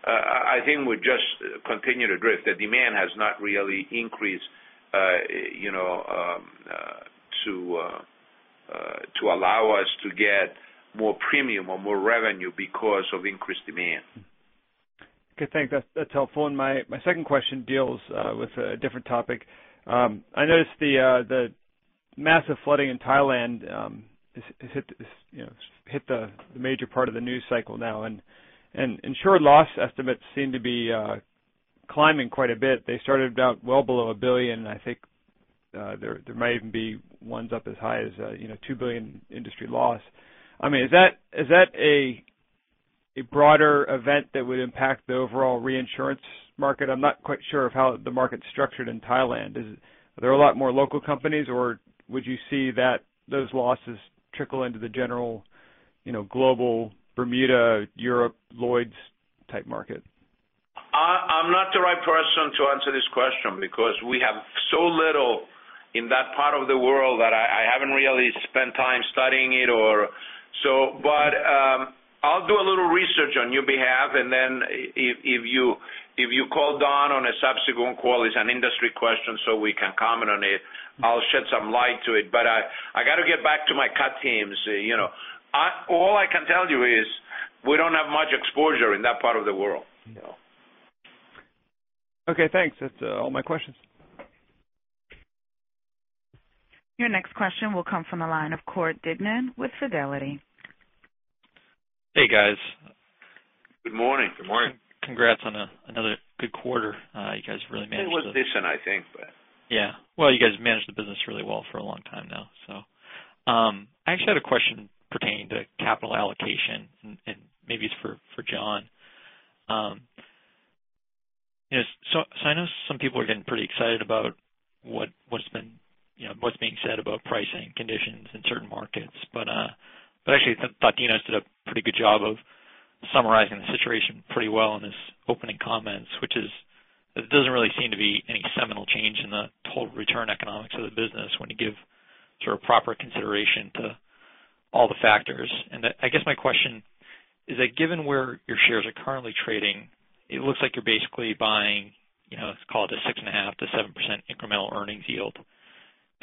I think we just continue to drift. The demand has not really increased to allow us to get more premium or more revenue because of increased demand. Okay, thanks. That is helpful. My second question deals with a different topic. I noticed the massive flooding in Thailand has hit the major part of the news cycle now, and insured loss estimates seem to be climbing quite a bit. They started out well below $1 billion. I think there might even be ones up as high as $2 billion industry loss. Is that a broader event that would impact the overall reinsurance market? I am not quite sure of how the market's structured in Thailand. Is there a lot more local companies, or would you see those losses trickle into the general global Bermuda, Europe, Lloyd's type market? I am not the right person to answer this question because we have so little in that part of the world that I have not really spent time studying it. I will do a little research on your behalf. Then if you call Don on a subsequent call, it is an industry question. We can comment on it. I will shed some light on it. I got to get back to my CAT teams. All I can tell you is we do not have much exposure in that part of the world. Okay, thanks. That is all my questions. Your next question will come from the line of Cord Dignam with Fidelity. Hey, guys. Good morning. Good morning. Congrats on another good quarter. You guys really managed the- It was this, I think, but Yeah. Well, you guys managed the business really well for a long time now. I actually had a question pertaining to capital allocation, and maybe it's for John. I know some people are getting pretty excited about what's being said about pricing conditions in certain markets. Actually, I thought Dinos did a pretty good job of summarizing the situation pretty well in his opening comments, which is that there doesn't really seem to be any seminal change in the total return economics of the business when you give proper consideration to all the factors. I guess my question is that given where your shares are currently trading, it looks like you're basically buying, let's call it a 6.5%-7% incremental earnings yield.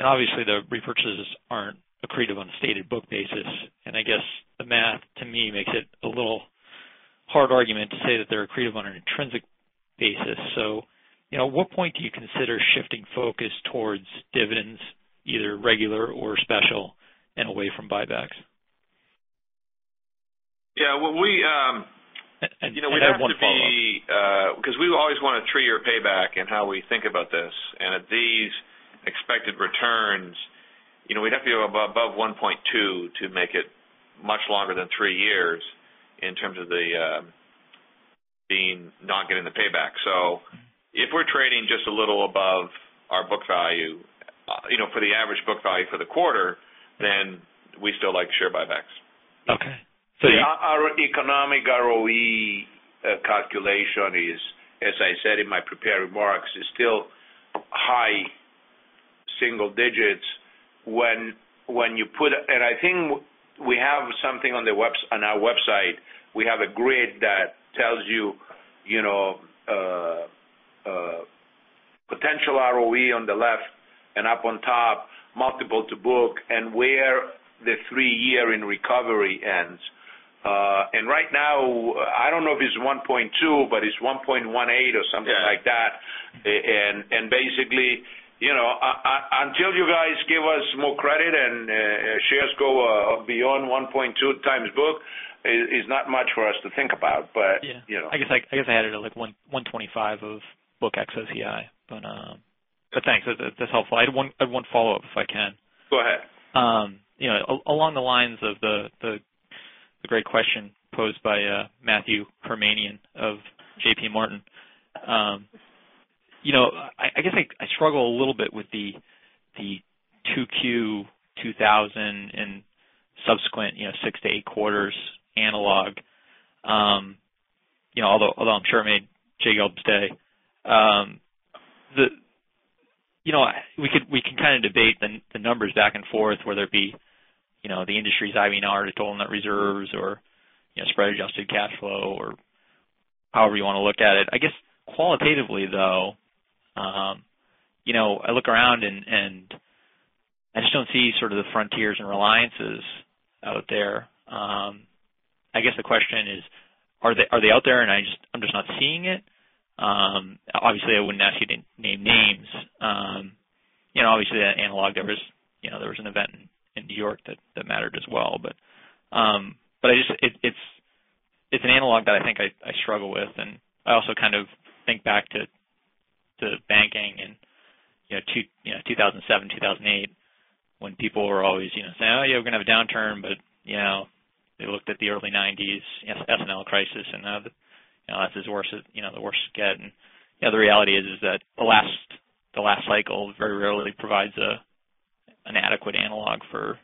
Obviously, the repurchases aren't accretive on a stated book basis. I guess the math, to me, makes it a little hard argument to say that they're accretive on an intrinsic basis. At what point do you consider shifting focus towards dividends, either regular or special, and away from buybacks? Yeah. Well, I have one follow-up. We always want a three-year payback in how we think about this. At these expected returns, we'd have to be above 1.2 to make it much longer than three years in terms of not getting the payback. If we're trading just a little above our book value for the average book value for the quarter, we still like share buybacks. Okay. Our economic ROE calculation is, as I said in my prepared remarks, is still high single digits. I think we have something on our website. We have a grid that tells you potential ROE on the left and up on top, multiple to book, and where the three-year in recovery ends. Right now, I don't know if it's 1.2, but it's 1.18 or something like that. Yeah. Basically, until you guys give us more credit and shares go beyond 1.2 times book, it's not much for us to think about. Yeah. I guess I had it at like $125 of book ex-OCI. Thanks. That's helpful. I had one follow-up, if I can. Go ahead. Along the lines of the great question posed by Matthew Heimermann of JPMorgan. I guess I struggle a little bit with the 2Q 2000 and subsequent six to eight quarters analog. Although I'm sure it made J.L.'s day. We can debate the numbers back and forth, whether it be the industry's IBNR to total net reserves or spread adjusted cash flow, or however you want to look at it. I guess qualitatively, though, I look around and I just don't see the Fremont and Reliance out there. I guess the question is, are they out there and I'm just not seeing it? Obviously, I wouldn't ask you to name names. Obviously, that analog, there was an event in New York that mattered as well. It's an analog that I think I struggle with, and I also think back to banking in 2007, 2008, when people were always saying, "Oh, yeah, we're going to have a downturn," they looked at the early 1990s, S&L crisis, and that's as worse it could get. The reality is that the last cycle very rarely provides an adequate analog for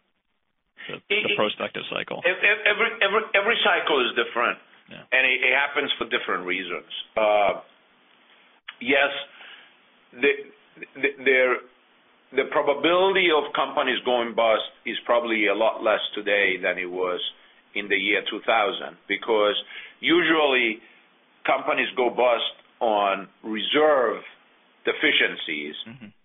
the prospective cycle. Every cycle is different. Yeah. It happens for different reasons. Yes, the probability of companies going bust is probably a lot less today than it was in the year 2000, because usually companies go bust on reserve deficiencies.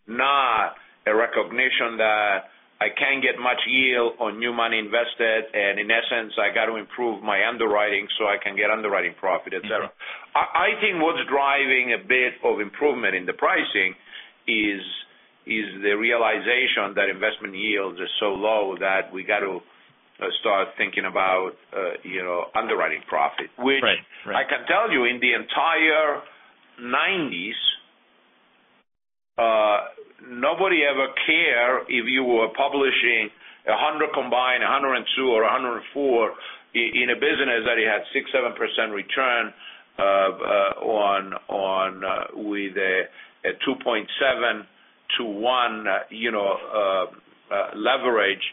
Not a recognition that I can't get much yield on new money invested, and in essence, I got to improve my underwriting so I can get underwriting profit, et cetera. I think what's driving a bit of improvement in the pricing is the realization that investment yields are so low that we got to start thinking about underwriting profit. Right. I can tell you, in the entire '90s, nobody ever cared if you were publishing 100 combined, 102 or 104 in a business that had 6%, 7% return with a 2.7 to 1 leverage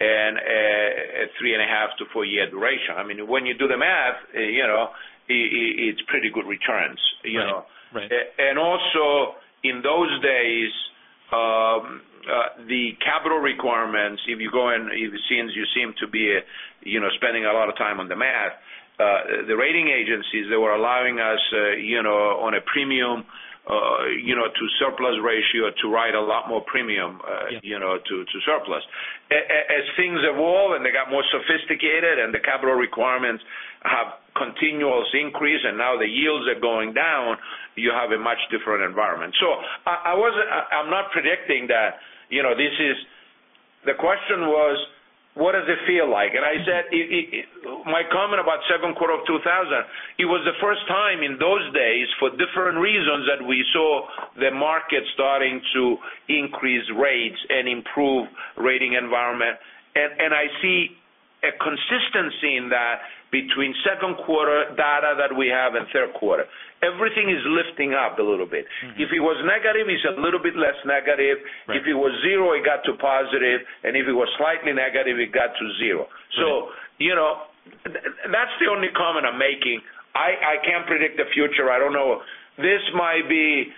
and a three and a half to 4-year duration. When you do the math, it's pretty good returns. Right. Also, in those days, the capital requirements, since you seem to be spending a lot of time on the math, the rating agencies, they were allowing us on a premium to surplus ratio to write a lot more premium. Yeah to surplus. As things evolved, and they got more sophisticated, and the capital requirements have continuous increase, and now the yields are going down, you have a much different environment. I'm not predicting that. The question was, what does it feel like? I said, my comment about second quarter of 2000, it was the first time in those days, for different reasons, that we saw the market starting to increase rates and improve rating environment. I see a consistency in that between second quarter data that we have and third quarter. Everything is lifting up a little bit. If it was negative, it's a little bit less negative. Right. If it was zero, it got to positive. If it was slightly negative, it got to zero. Right. That's the only comment I'm making. I can't predict the future. I don't know. This might be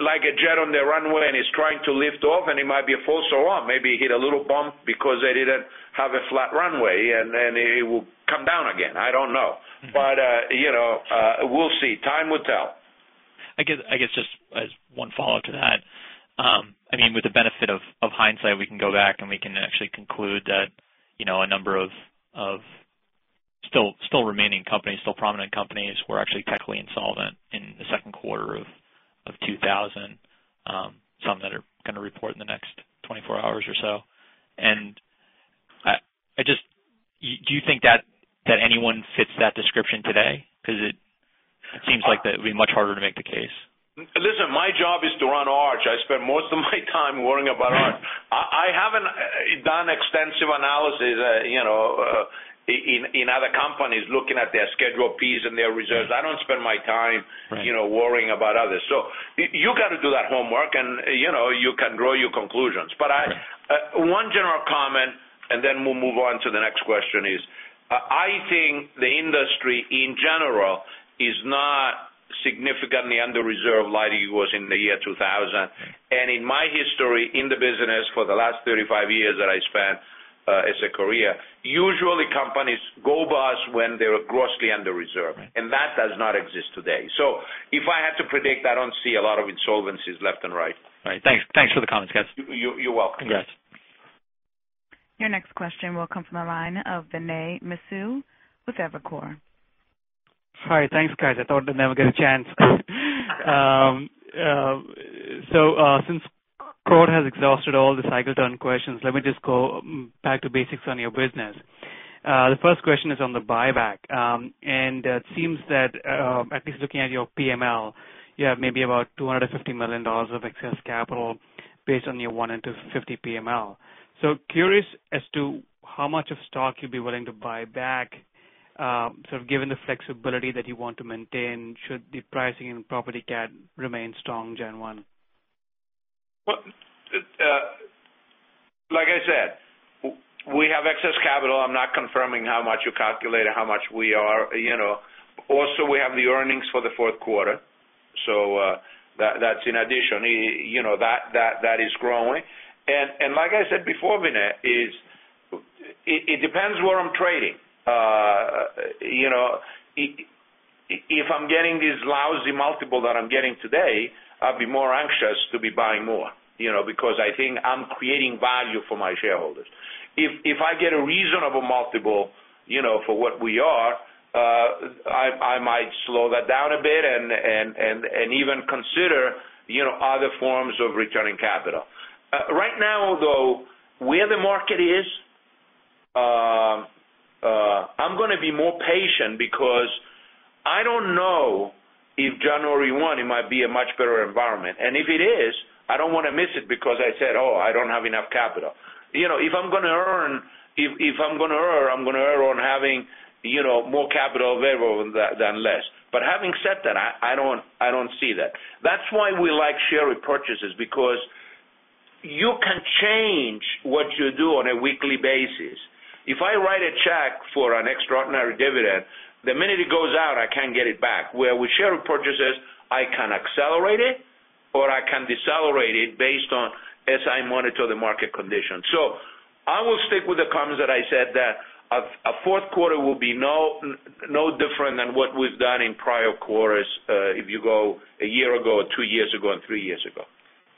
like a jet on the runway, and it's trying to lift off, and it might be a false alarm. Maybe hit a little bump because they didn't have a flat runway, and it will come down again. I don't know. We'll see. Time will tell. I guess just as one follow-up to that. With the benefit of hindsight, we can go back, and we can actually conclude that a number of still remaining companies, still prominent companies, were actually technically insolvent in the second quarter of 2000. Some that are going to report in the next 24 hours or so. Do you think that anyone fits that description today? Because it seems like that it would be much harder to make the case. Listen, my job is to run Arch. I spend most of my time worrying about Arch. I haven't done extensive analysis in other companies, looking at their Schedule P and their reserves. Right I don't spend my time worrying about others. You got to do that homework, and you can draw your conclusions. Right. One general comment, and then we'll move on to the next question is, I think the industry in general is not significantly under-reserved like it was in the year 2000. In my history in the business for the last 35 years that I spent as a career, usually companies go bust when they're grossly under-reserved. Right. That does not exist today. If I had to predict, I don't see a lot of insolvencies left and right. Right. Thanks for the comments, guys. You're welcome. Congrats. Your next question will come from the line of Vinay Misquith with Evercore. Hi. Thanks, guys. I thought I'd never get a chance. Since Crow has exhausted all the cycle turn questions, let me just go back to basics on your business. The first question is on the buyback. It seems that, at least looking at your PML, you have maybe about $250 million of excess capital based on your 150 PML. Curious as to how much of stock you'd be willing to buy back, given the flexibility that you want to maintain should the pricing and property CAT remain strong January 1? I said, we have excess capital. I'm not confirming how much you calculated, how much we are. We have the earnings for the fourth quarter. That's in addition. That is growing. I said before, Vinay, it depends where I'm trading. If I'm getting this lousy multiple that I'm getting today, I'd be more anxious to be buying more because I think I'm creating value for my shareholders. If I get a reasonable multiple for what we are, I might slow that down a bit and even consider other forms of returning capital. Right now, though, where the market is, I'm going to be more patient because I don't know if January 1, it might be a much better environment. If it is, I don't want to miss it because I said, "Oh, I don't have enough capital." If I'm going to err, I'm going to err on having more capital available than less. Having said that, I don't see that. That's why we like share repurchases because you can change what you do on a weekly basis. If I write a check for an extraordinary dividend, the minute it goes out, I can't get it back. Where with share repurchases, I can accelerate it or I can decelerate it based on as I monitor the market condition. I will stick with the comments that I said that a fourth quarter will be no different than what we've done in prior quarters if you go a year ago, two years ago, and three years ago.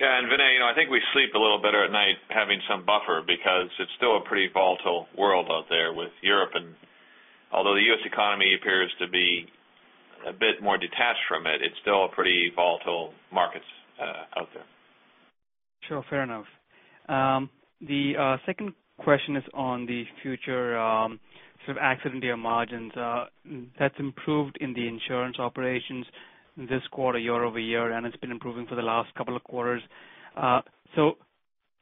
Yeah. Vinay, I think we sleep a little better at night having some buffer because it's still a pretty volatile world out there with Europe. Although the U.S. economy appears to be a bit more detached from it's still pretty volatile markets out there. Sure, fair enough. The second question is on the future sort of accident year margins. That's improved in the insurance operations this quarter year-over-year, and it's been improving for the last couple of quarters.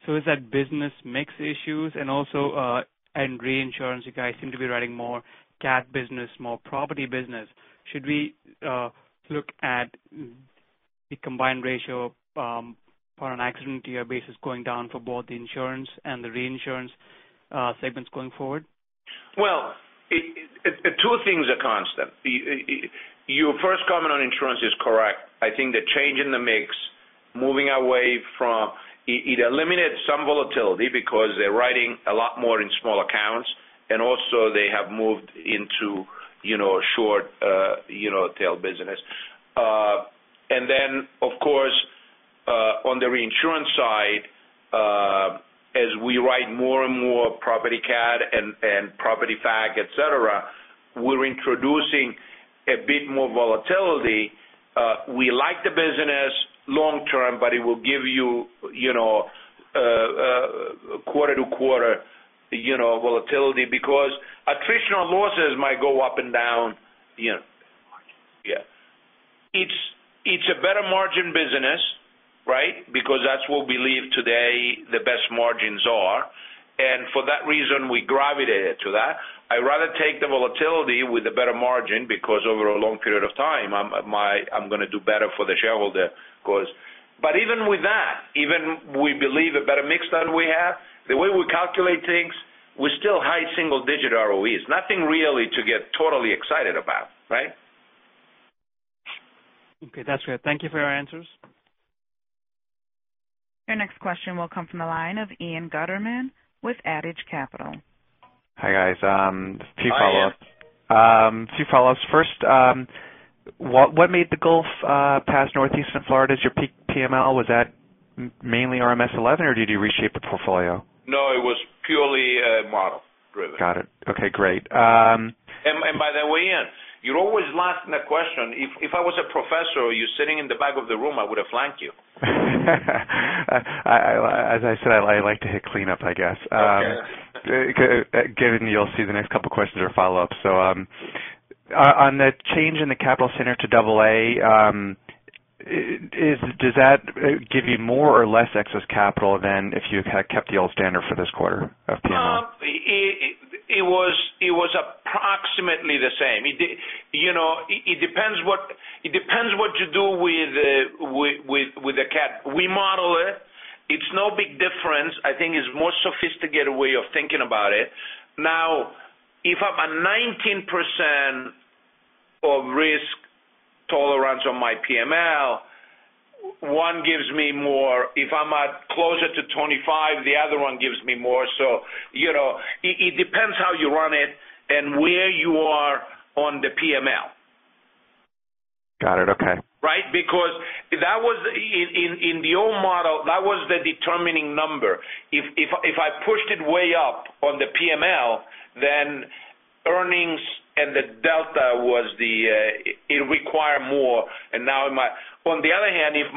Is that business mix issues and also in reinsurance, you guys seem to be riding more CAT business, more property business. Should we look at the combined ratio on an accident year basis going down for both the insurance and the reinsurance segments going forward? Two things are constant. Your first comment on insurance is correct. I think the change in the mix, moving away from, it eliminated some volatility because they're writing a lot more in small accounts, also they have moved into short tail business. Then, of course, on the reinsurance side, as we write more and more property CAT and property fac, et cetera, we're introducing a bit more volatility. We like the business long term, but it will give you quarter-to-quarter volatility because attritional losses might go up and down. Yeah. It's a better margin business, right? Because that's where we believe today the best margins are. For that reason, we gravitated to that. I'd rather take the volatility with the better margin because over a long period of time, I'm going to do better for the shareholder. Even with that, even we believe a better mix than we have, the way we calculate things, we're still high single-digit ROEs. Nothing really to get totally excited about, right? Okay, that's good. Thank you for your answers. Your next question will come from the line of Ian Gutterman with Adage Capital. Hi, guys. Few follow-ups. Hi, Ian. Few follow-ups. First, what made the Gulf pass Northeastern Florida as your peak PML? Was that mainly RMS 11 or did you reshape the portfolio? No, it was purely model driven. Got it. Okay, great. By the way, Ian, you're always last in the question. If I was a professor, you sitting in the back of the room, I would have flanked you. As I said, I like to hit cleanup, I guess. Okay. Given you'll see the next couple of questions are follow-ups. On the change in the capital center to AA, does that give you more or less excess capital than if you had kept the old standard for this quarter of PML? It was approximately the same. It depends what you do with the CAT. We model it. It's no big difference. I think it's a more sophisticated way of thinking about it. Now, if I'm a 19% of risk tolerance on my PML, one gives me more. If I'm at closer to 25, the other one gives me more. It depends how you run it and where you are on the PML. Got it. Okay. Right? Because in the old model, that was the determining number. If I pushed it way up on the PML, earnings and the delta, it require more. On the other hand, if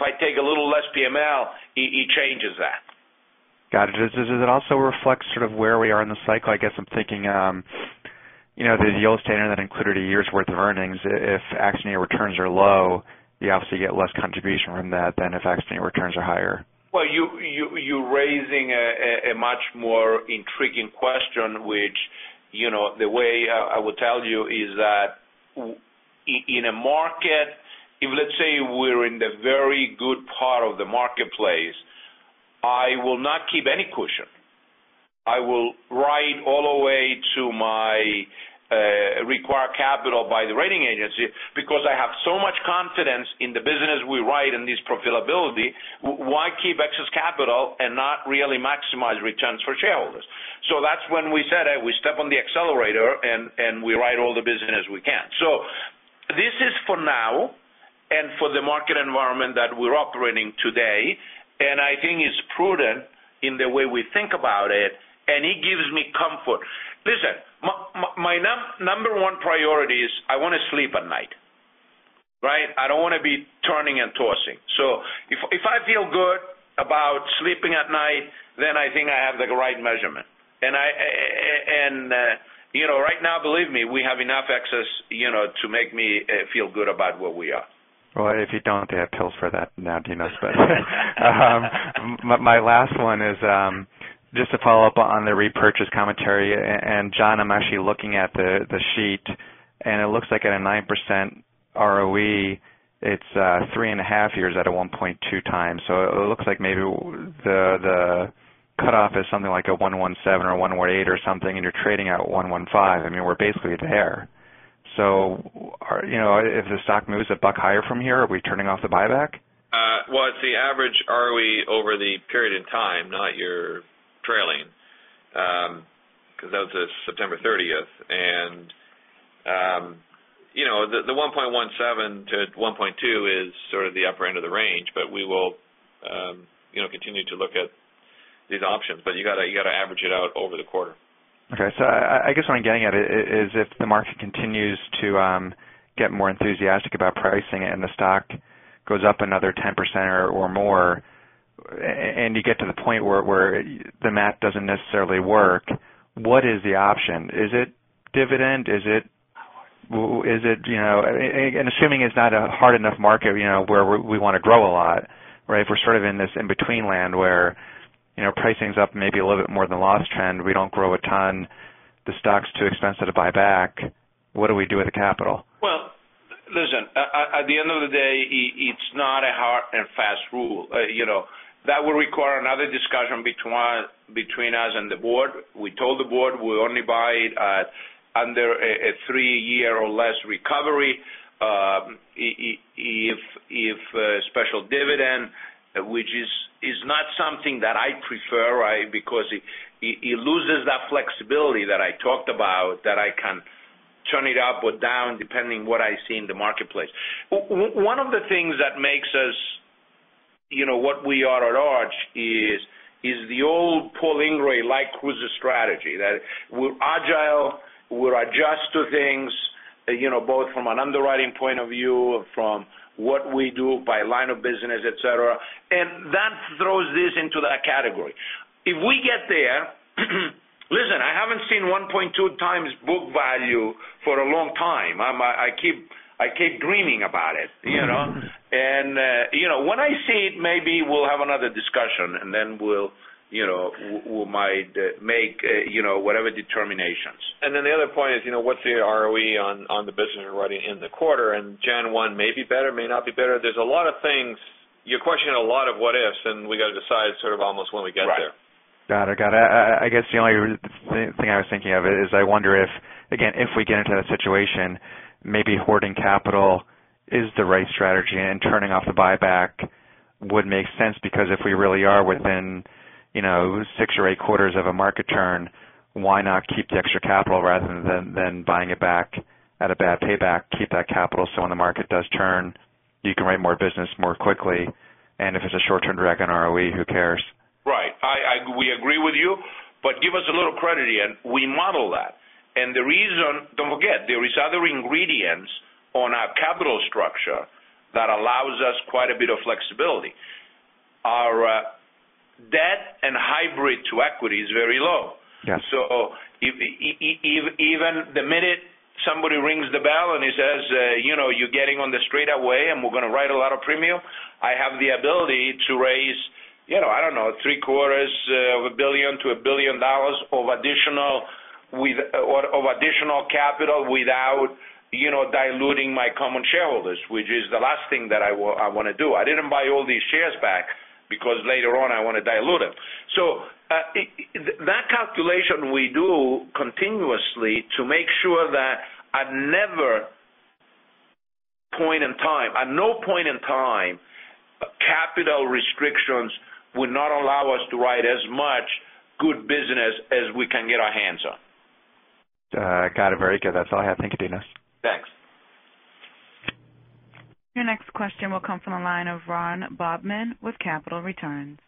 I take a little less PML, it changes that. Got it. Does it also reflect sort of where we are in the cycle? I guess I'm thinking the yield standard that included a year's worth of earnings. If accident year returns are low, you obviously get less contribution from that than if accident returns are higher. You're raising a much more intriguing question. The way I will tell you is that in a market, if let's say we're in the very good part of the marketplace, I will not keep any cushion. I will ride all the way to my required capital by the rating agency, because I have so much confidence in the business we ride and this profitability, why keep excess capital and not really maximize returns for shareholders? That's when we said it, we step on the accelerator and we ride all the business we can. This is for now and for the market environment that we're operating today, and I think it's prudent in the way we think about it, and it gives me comfort. Listen, my number one priority is I want to sleep at night. I don't want to be turning and tossing. If I feel good about sleeping at night, then I think I have the right measurement. Right now, believe me, we have enough excess to make me feel good about where we are. If you don't, they have pills for that now, Dinos. My last one is just to follow up on the repurchase commentary. John, I'm actually looking at the sheet, and it looks like at a 9% ROE, it's three and a half years at a 1.2x. It looks like maybe the cutoff is something like a 117 or 118 or something, and you're trading at 115. I mean, we're basically there. If the stock moves a $1 higher from here, are we turning off the buyback? It's the average ROE over the period in time, not your trailing, because that was as September 30th. The 1.17-1.2 is sort of the upper end of the range, but we will continue to look at these options. You got to average it out over the quarter. I guess what I'm getting at is if the market continues to get more enthusiastic about pricing it and the stock goes up another 10% or more, and you get to the point where the math doesn't necessarily work, what is the option? Is it dividend? Assuming it's not a hard enough market where we want to grow a lot, if we're sort of in this in-between land where pricing's up maybe a little bit more than the loss trend, we don't grow a ton, the stock's too expensive to buy back. What do we do with the capital? Well, listen, at the end of the day, it's not a hard and fast rule. That would require another discussion between us and the board. We told the board we only buy it at under a three-year or less recovery. If a special dividend, which is not something that I prefer, because it loses that flexibility that I talked about, that I can turn it up or down depending what I see in the marketplace. One of the things that makes us what we are at Arch is the old Paul Ingrey light cruiser strategy. That we're agile, we'll adjust to things, both from an underwriting point of view, from what we do by line of business, et cetera, and that throws this into that category. If we get there, listen, I haven't seen 1.2 times book value for a long time. I keep dreaming about it. When I see it, maybe we'll have another discussion then we might make whatever determinations. Then the other point is, what's the ROE on the business we're running in the quarter, and January 1 may be better, may not be better. There's a lot of things. You're questioning a lot of what-ifs, we got to decide sort of almost when we get there. Right. Got it. I guess the only thing I was thinking of is I wonder if, again, if we get into that situation, maybe hoarding capital is the right strategy and turning off the buyback would make sense, because if we really are within six or eight quarters of a market turn, why not keep the extra capital rather than buying it back at a bad payback? Keep that capital so when the market does turn, you can write more business more quickly. If it's a short-term drag on ROE, who cares? Right. We agree with you, but give us a little credit, Ian. We model that. The reason, don't forget, there is other ingredients on our capital structure that allows us quite a bit of flexibility. Our debt and hybrid to equity is very low. Yeah. Even the minute somebody rings the bell and he says, "You're getting on the straightaway and we're going to write a lot of premium," I have the ability to raise, I don't know, three quarters of a billion to $1 billion of additional capital without diluting my common shareholders, which is the last thing that I want to do. I didn't buy all these shares back because later on I want to dilute it. That calculation we do continuously to make sure that at never point in time, at no point in time, capital restrictions would not allow us to write as much good business as we can get our hands on. Got it. Very good. That's all I have. Thank you, Dinos. Thanks. Your next question will come from the line of Ron Bobman with Capital Returns.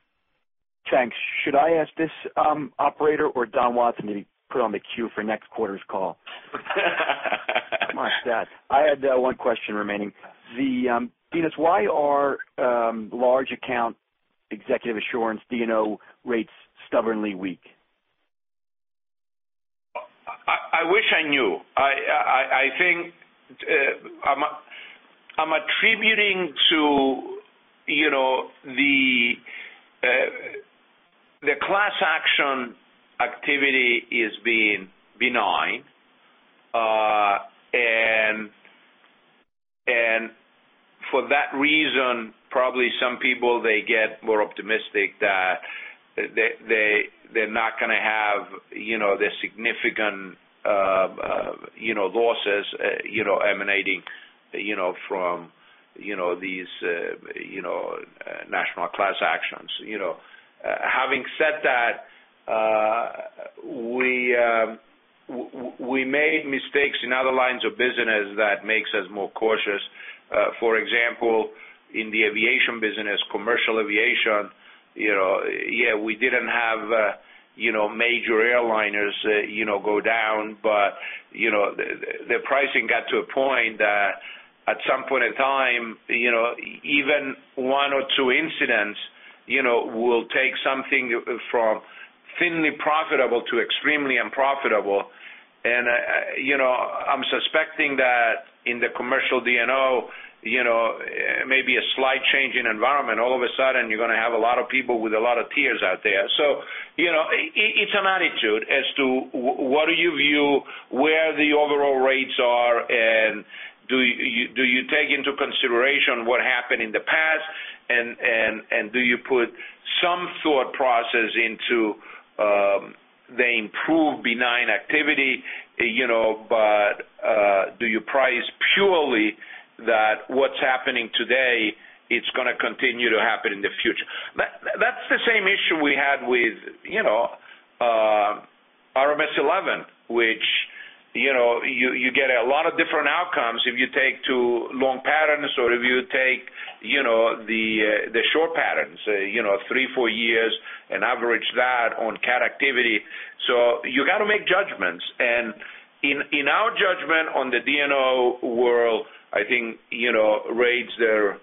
Thanks. Should I ask this operator or Donald Watson to be put on the queue for next quarter's call? My stat. I had one question remaining. Dinos, why are large account Executive Assurance D&O rates stubbornly weak? I wish I knew. I think I'm attributing The class action activity is being benign. For that reason, probably some people, they get more optimistic that they're not going to have the significant losses emanating from these national class actions. Having said that, we made mistakes in other lines of business that makes us more cautious. For example, in the aviation business, commercial aviation, yeah, we didn't have major airliners go down. The pricing got to a point that at some point in time, even one or two incidents will take something from thinly profitable to extremely unprofitable. I'm suspecting that in the commercial D&O, maybe a slight change in environment, all of a sudden, you're going to have a lot of people with a lot of tears out there. It's an attitude as to what do you view where the overall rates are, do you take into consideration what happened in the past, do you put some thought process into the improved benign activity, do you price purely that what's happening today, it's going to continue to happen in the future? That's the same issue we had with RMS 11, which you get a lot of different outcomes if you take two long patterns or if you take the short patterns, three, four years and average that on CAT activity. You got to make judgments. In our judgment on the D&O world, I think rates there,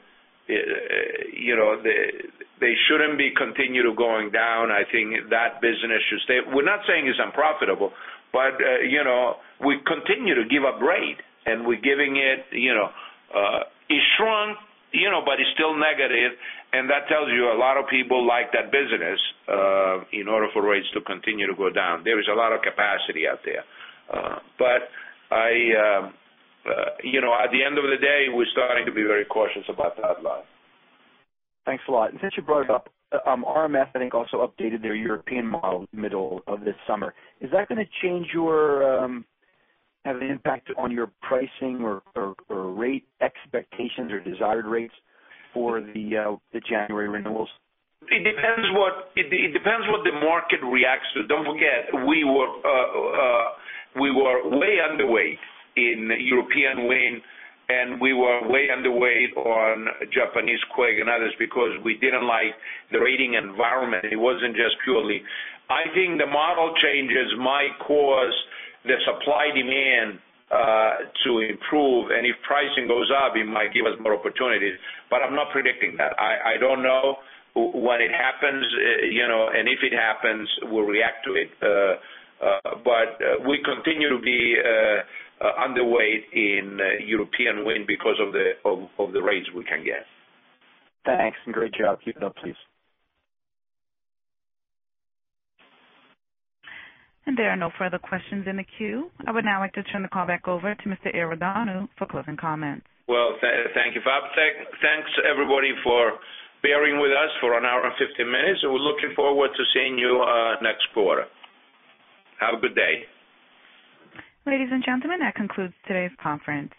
they shouldn't be continue to going down. I think that business should stay. We're not saying it's unprofitable, but we continue to give up rate. It shrunk, but it's still negative, that tells you a lot of people like that business in order for rates to continue to go down. There is a lot of capacity out there. At the end of the day, we're starting to be very cautious about that line. Thanks a lot. Since you brought it up, RMS, I think, also updated their European model middle of this summer. Is that going to have an impact on your pricing or rate expectations or desired rates for the January renewals? It depends what the market reacts to. Don't forget, we were way underweight in European wind, we were way underweight on Japanese quake and others because we didn't like the rating environment. I think the model changes might cause the supply-demand to improve, if pricing goes up, it might give us more opportunities. I'm not predicting that. I don't know when it happens, if it happens, we'll react to it. We continue to be underweight in European wind because of the rates we can get. Thanks, great job. Keep it up, please. There are no further questions in the queue. I would now like to turn the call back over to Mr. Iordanou for closing comments. Well, thank you, Fab. Thanks, everybody, for bearing with us for an hour and 15 minutes, and we're looking forward to seeing you next quarter. Have a good day. Ladies and gentlemen, that concludes today's conference.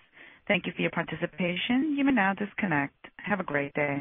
Thank you for your participation. You may now disconnect. Have a great day.